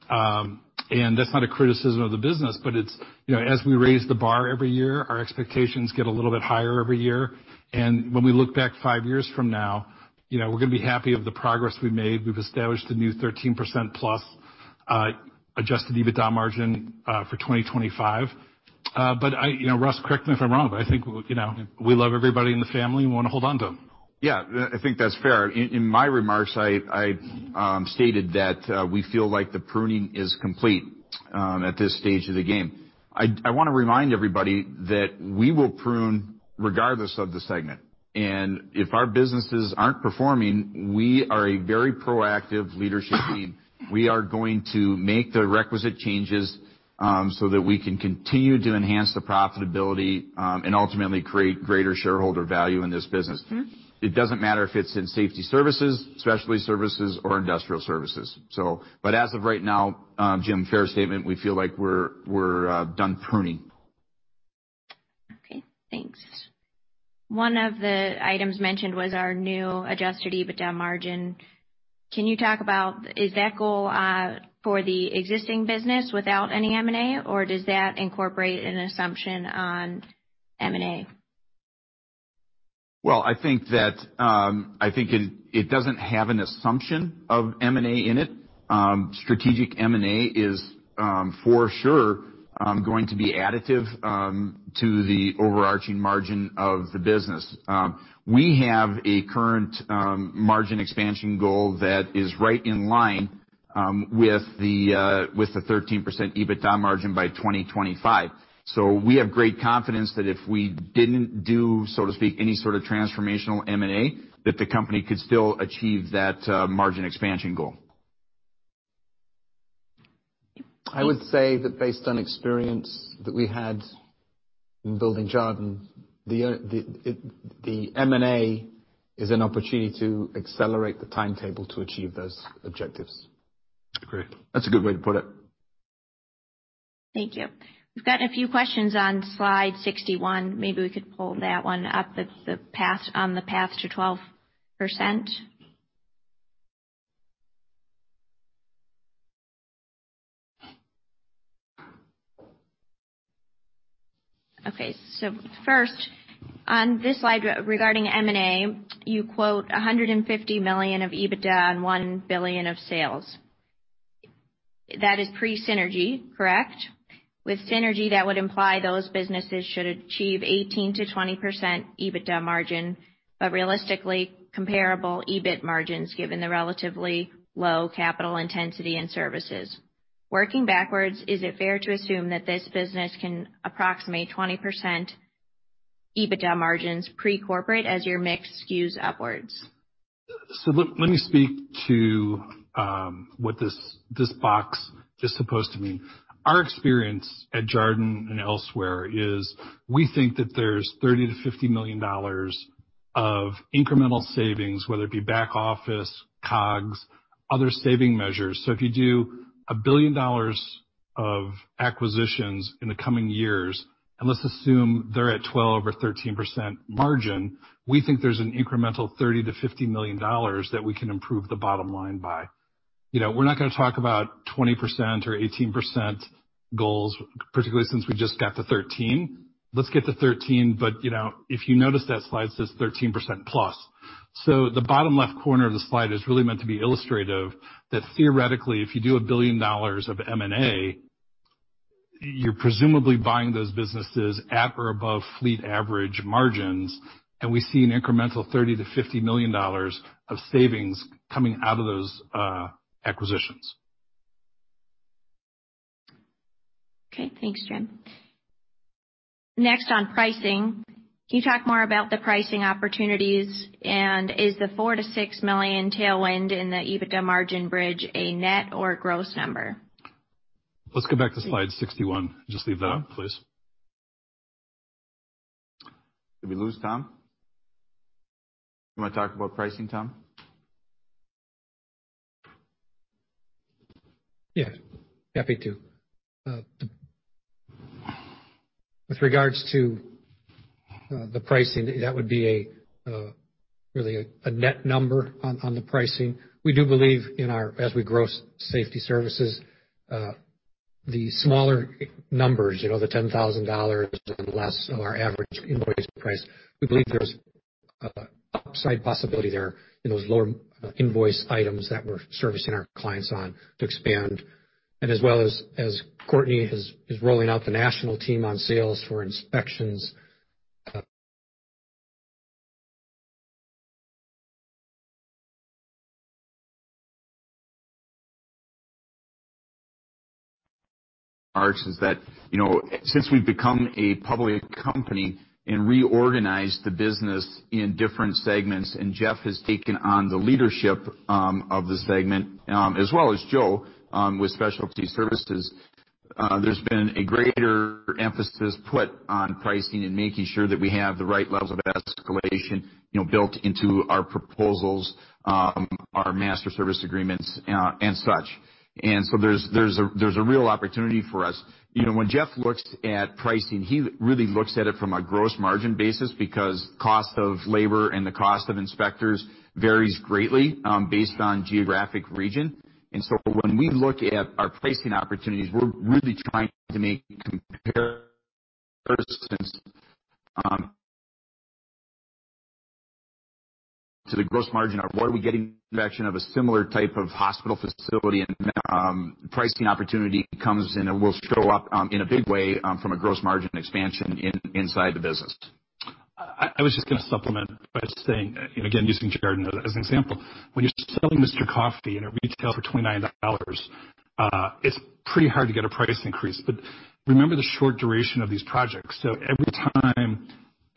and that's not a criticism of the business, but as we raise the bar every year, our expectations get a little bit higher every year, and when we look back five years from now, we're going to be happy of the progress we made. We've established a new 13% plus adjusted EBITDA margin for 2025. But Russ, correct me if I'm wrong, but I think we love everybody in the family. We want to hold on to them. Yeah, I think that's fair. In my remarks, I stated that we feel like the pruning is complete at this stage of the game. I want to remind everybody that we will prune regardless of the segment, and if our businesses aren't performing, we are a very proactive leadership team. We are going to make the requisite changes so that we can continue to enhance the profitability and ultimately create greater shareholder value in this business. It doesn't matter if it's in Safety Services, Specialty Services, or Industrial Services, but as of right now, Jim, fair statement, we feel like we're done pruning. Okay. Thanks. One of the items mentioned was our new Adjusted EBITDA margin. Can you talk about? Is that goal for the existing business without any M&A, or does that incorporate an assumption on M&A? Well, I think it doesn't have an assumption of M&A in it. Strategic M&A is for sure going to be additive to the overarching margin of the business. We have a current margin expansion goal that is right in line with the 13% EBITDA margin by 2025. So we have great confidence that if we didn't do, so to speak, any sort of transformational M&A, that the company could still achieve that margin expansion goal. I would say that based on experience that we had in building Jarden, the M&A is an opportunity to accelerate the timetable to achieve those objectives. Agreed. That's a good way to put it. Thank you. We've got a few questions on slide 61. Maybe we could pull that one up on the path to 12%. Okay. So first, on this slide regarding M&A, you quote $150 million of EBITDA and $1 billion of sales. That is pre-synergy, correct? With synergy, that would imply those businesses should achieve 18%-20% EBITDA margin, but realistically, comparable EBIT margins given the relatively low capital intensity and services. Working backwards, is it fair to assume that this business can approximate 20% EBITDA margins pre-corporate as your mix skews upwards? So let me speak to what this box is supposed to mean. Our experience at Jarden and elsewhere is we think that there's $30 million-50 million of incremental savings, whether it be back office, COGS, other saving measures. So if you do $1 billion of acquisitions in the coming years, and let's assume they're 12% or 13% margin, we think there's an incremental $30 million-50 million that we can improve the bottom line by. We're not going to talk about 20% or 18% goals, particularly since we just got to 13%. Let's get to 13, but if you notice that slide says 13% plus. So the bottom left corner of the slide is really meant to be illustrative that theoretically, if you do $1 billion of M&A, you're presumably buying those businesses at or above fleet average margins, and we see an incremental $30 million-$50 million of savings coming out of those acquisitions. Okay. Thanks, Jim. Next, on pricing, can you talk more about the pricing opportunities? And is the $4 million-$6 million tailwind in the EBITDA margin bridge a net or gross number? Let's go back to slide 61. Just leave that up, please. Did we lose Tom? You want to talk about pricing, Tom? Yeah. Happy to. With regards to the pricing, that would be really a net number on the pricing. We do believe, in our Safety Services as we grow Safety Services, the smaller numbers, the $10,000 and less of our average invoice price, we believe there's upside possibility there in those lower invoice items that we're servicing our clients on to expand. As well as Courtney is rolling out the national team on sales for inspections. Margins. That since we've become a public company and reorganized the business in different segments, and Jeff has taken on the leadership of the segment, as well as Joe with Specialty Services, there's been a greater emphasis put on pricing and making sure that we have the right levels of escalation built into our proposals, our master service agreements, and such. So there's a real opportunity for us. When Jeff looks at pricing, he really looks at it from a gross margin basis because cost of labor and the cost of inspectors varies greatly based on geographic region, and so when we look at our pricing opportunities, we're really trying to make comparisons to the gross margin of what are we getting in the direction of a similar type of hospital facility, and pricing opportunity comes in and will show up in a big way from a gross margin expansion inside the business. I was just going to supplement by saying, again, using Jarden as an example. When you're selling Mr. Coffee in retail for $29, it's pretty hard to get a price increase, but remember the short duration of these projects, so every time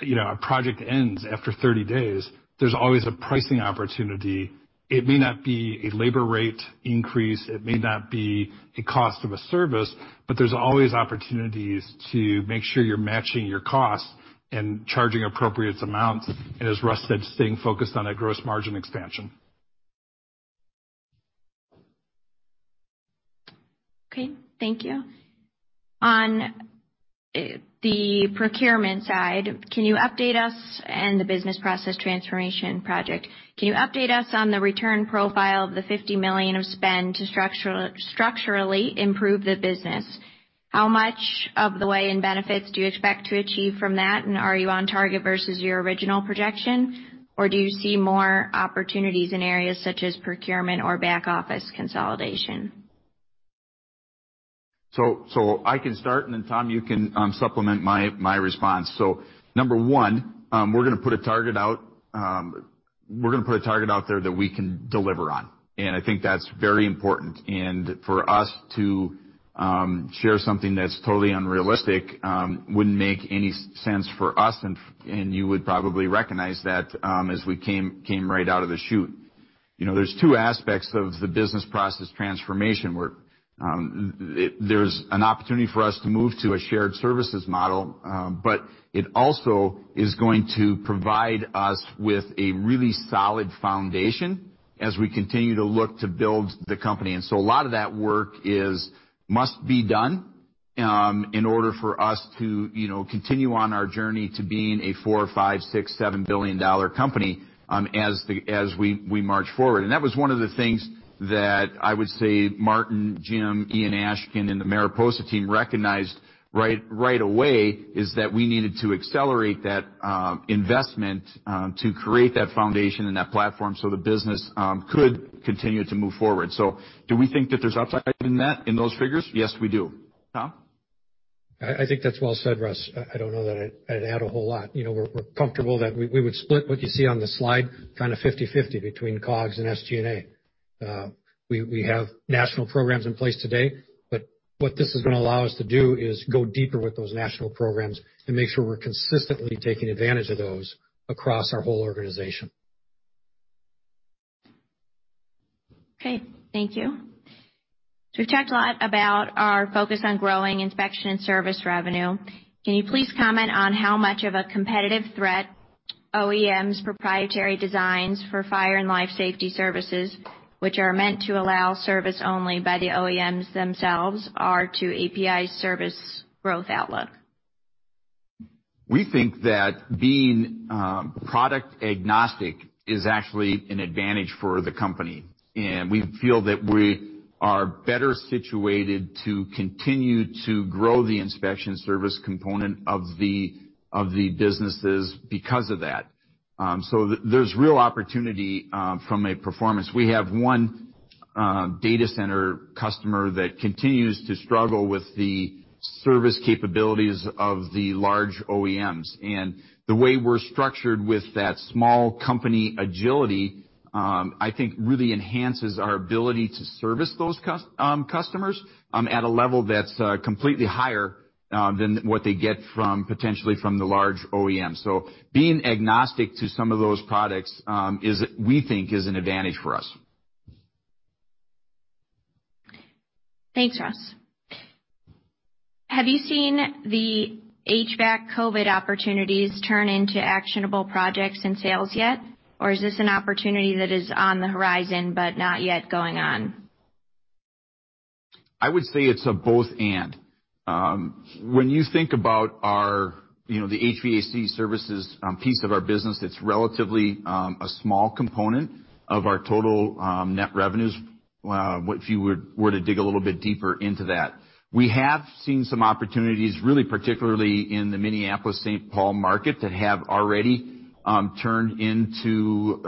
a project ends after 30 days, there's always a pricing opportunity. It may not be a labor rate increase. It may not be a cost of a service, but there's always opportunities to make sure you're matching your costs and charging appropriate amounts. And as Russ said, staying focused on that gross margin expansion. Okay. Thank you. On the procurement side, can you update us on the business process transformation project? Can you update us on the return profile of the $50 million of spend to structurally improve the business? How much of the way in benefits do you expect to achieve from that? And are you on target versus your original projection? Or do you see more opportunities in areas such as procurement or back office consolidation? So I can start, and then Tom, you can supplement my response. So number one, we're going to put a target out. We're going to put a target out there that we can deliver on. And I think that's very important. And for us to share something that's totally unrealistic wouldn't make any sense for us. And you would probably recognize that as we came right out of the chute. There's two aspects of the business process transformation where there's an opportunity for us to move to a shared services model, but it also is going to provide us with a really solid foundation as we continue to look to build the company. And so a lot of that work must be done in order for us to continue on our journey to being a four, five, six, seven billion-dollar company as we march forward. And that was one of the things that I would say Martin, Jim, Ian Ashken, and the Mariposa team recognized right away is that we needed to accelerate that investment to create that foundation and that platform so the business could continue to move forward. So do we think that there's upside in those figures? Yes, we do. Tom? I think that's well said, Russ. I don't know that I'd add a whole lot. We're comfortable that we would split what you see on the slide kind of 50/50 between COGS and SG&A. We have national programs in place today, but what this is going to allow us to do is go deeper with those national programs and make sure we're consistently taking advantage of those across our whole organization. Okay. Thank you. We've talked a lot about our focus on growing inspection and service revenue. Can you please comment on how much of a competitive threat OEMs' proprietary designs for fire and life Safety Services, which are meant to allow service only by the OEMs themselves, are to APi's service growth outlook? We think that being product agnostic is actually an advantage for the company, and we feel that we are better situated to continue to grow the inspection service component of the businesses because of that, so there's real opportunity from a performance. We have one data center customer that continues to struggle with the service capabilities of the large OEMs, and the way we're structured with that small company agility, I think really enhances our ability to service those customers at a level that's completely higher than what they get potentially from the large OEM, so being agnostic to some of those products, we think, is an advantage for us. Thanks, Russ. Have you seen the HVAC COVID opportunities turn into actionable projects and sales yet, or is this an opportunity that is on the horizon but not yet going on? I would say it's a both/and. When you think about the HVAC services piece of our business, it's relatively a small component of our total net revenues if you were to dig a little bit deeper into that. We have seen some opportunities, really particularly in the Minneapolis-St. Paul market, that have already turned into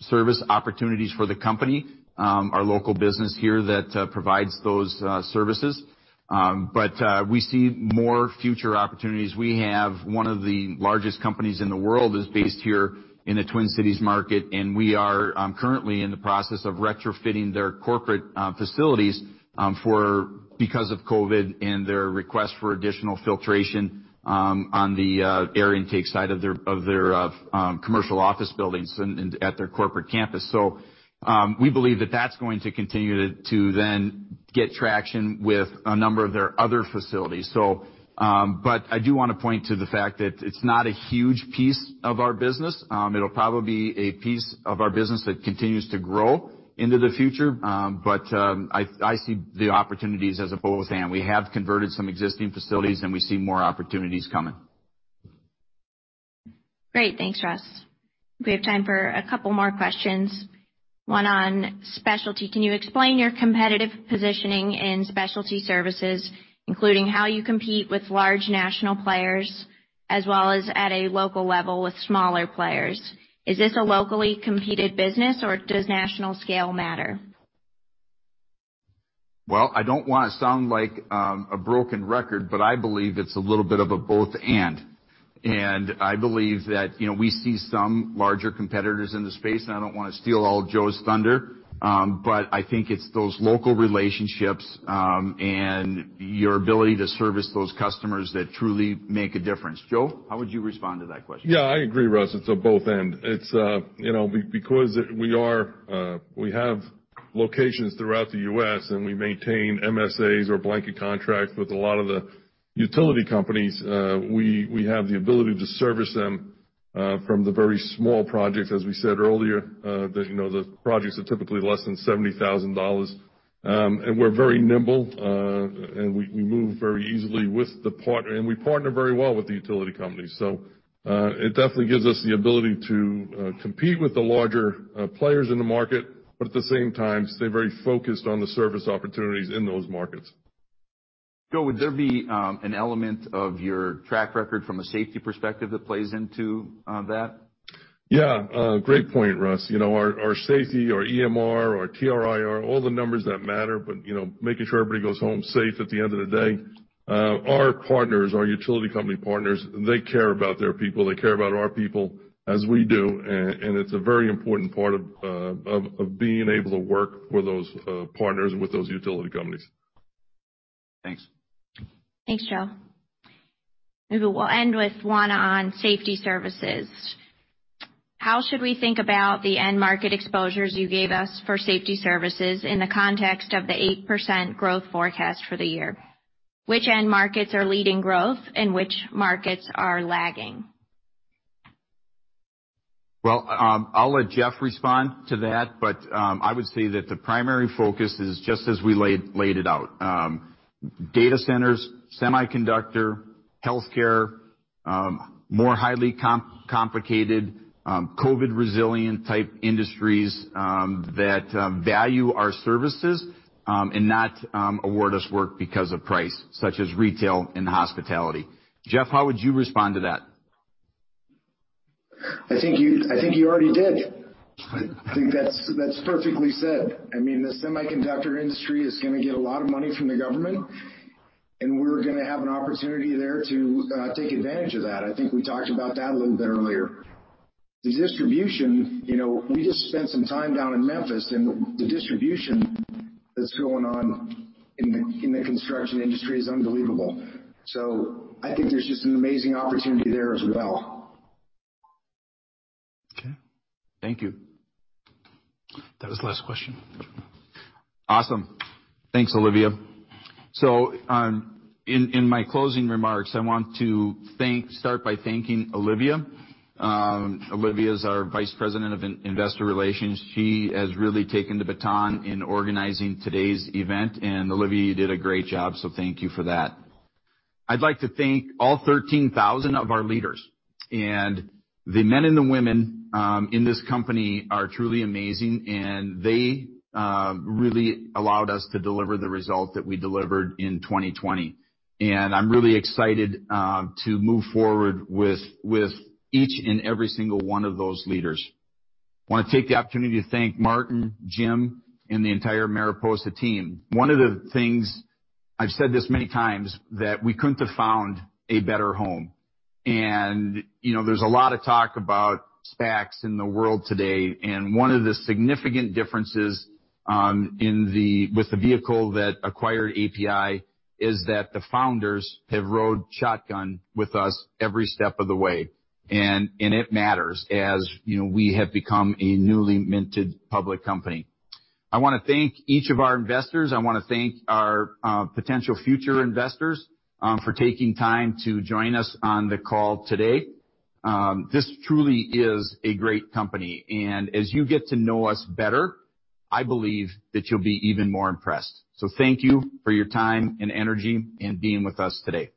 service opportunities for the company, our local business here that provides those services. But we see more future opportunities. We have one of the largest companies in the world that is based here in the Twin Cities market, and we are currently in the process of retrofitting their corporate facilities because of COVID and their request for additional filtration on the air intake side of their commercial office buildings at their corporate campus. So we believe that that's going to continue to then get traction with a number of their other facilities. But I do want to point to the fact that it's not a huge piece of our business. It'll probably be a piece of our business that continues to grow into the future, but I see the opportunities as a both/and. We have converted some existing facilities, and we see more opportunities coming. Great. Thanks, Russ. We have time for a couple more questions. One on specialty. Can you explain your competitive positioning in Specialty Services, including how you compete with large national players as well as at a local level with smaller players? Is this a locally competed business, or does national scale matter? Well, I don't want to sound like a broken record, but I believe it's a little bit of a both/and. I believe that we see some larger competitors in the space, and I don't want to steal all Joe's thunder, but I think it's those local relationships and your ability to service those customers that truly make a difference. Joe, how would you respond to that question? Yeah. I agree, Russ. It's a both/and. It's because we have locations throughout the U.S., and we maintain MSAs or blanket contracts with a lot of the utility companies. We have the ability to service them from the very small projects, as we said earlier, that the projects are typically less than $70,000, and we're very nimble, and we move very easily with the partner, and we partner very well with the utility companies. So it definitely gives us the ability to compete with the larger players in the market, but at the same time, stay very focused on the service opportunities in those markets. Joe, would there be an element of your track record from a safety perspective that plays into that? Yeah. Great point, Russ. Our safety, our EMR, our TRIR, all the numbers that matter, but making sure everybody goes home safe at the end of the day. Our partners, our utility company partners, they care about their people. They care about our people as we do. And it's a very important part of being able to work for those partners with those utility companies. Thanks. Thanks, Joe. We will end with one on Safety Services. How should we think about the end market exposures you gave us for Safety Services in the context of the 8% growth forecast for the year? Which end markets are leading growth, and which markets are lagging? Well, I'll let Jeff respond to that, but I would say that the primary focus is just as we laid it out: data centers, semiconductor, healthcare, more highly complicated COVID-resilient type industries that value our services and not award us work because of price, such as retail and hospitality. Jeff, how would you respond to that? I think you already did. I think that's perfectly said. I mean, the semiconductor industry is going to get a lot of money from the government, and we're going to have an opportunity there to take advantage of that. I think we talked about that a little bit earlier. The distribution, we just spent some time down in Memphis, and the distribution that's going on in the construction industry is unbelievable. So I think there's just an amazing opportunity there as well. Okay. Thank you. That was the last question. Awesome. Thanks, Olivia. So in my closing remarks, I want to start by thanking Olivia. Olivia is our Vice President of Investor Relations. She has really taken the baton in organizing today's event. And Olivia, you did a great job, so thank you for that. I'd like to thank all 13,000 of our leaders. And the men and the women in this company are truly amazing, and they really allowed us to deliver the result that we delivered in 2020. And I'm really excited to move forward with each and every single one of those leaders. I want to take the opportunity to thank Martin, Jim, and the entire Mariposa team. One of the things I've said this many times is that we couldn't have found a better home, and there's a lot of talk about SPACs in the world today, and one of the significant differences with the vehicle that acquired APi is that the founders have rode shotgun with us every step of the way, and it matters as we have become a newly minted public company. I want to thank each of our investors. I want to thank our potential future investors for taking time to join us on the call today. This truly is a great company, and as you get to know us better, I believe that you'll be even more impressed, so thank you for your time and energy and being with us today.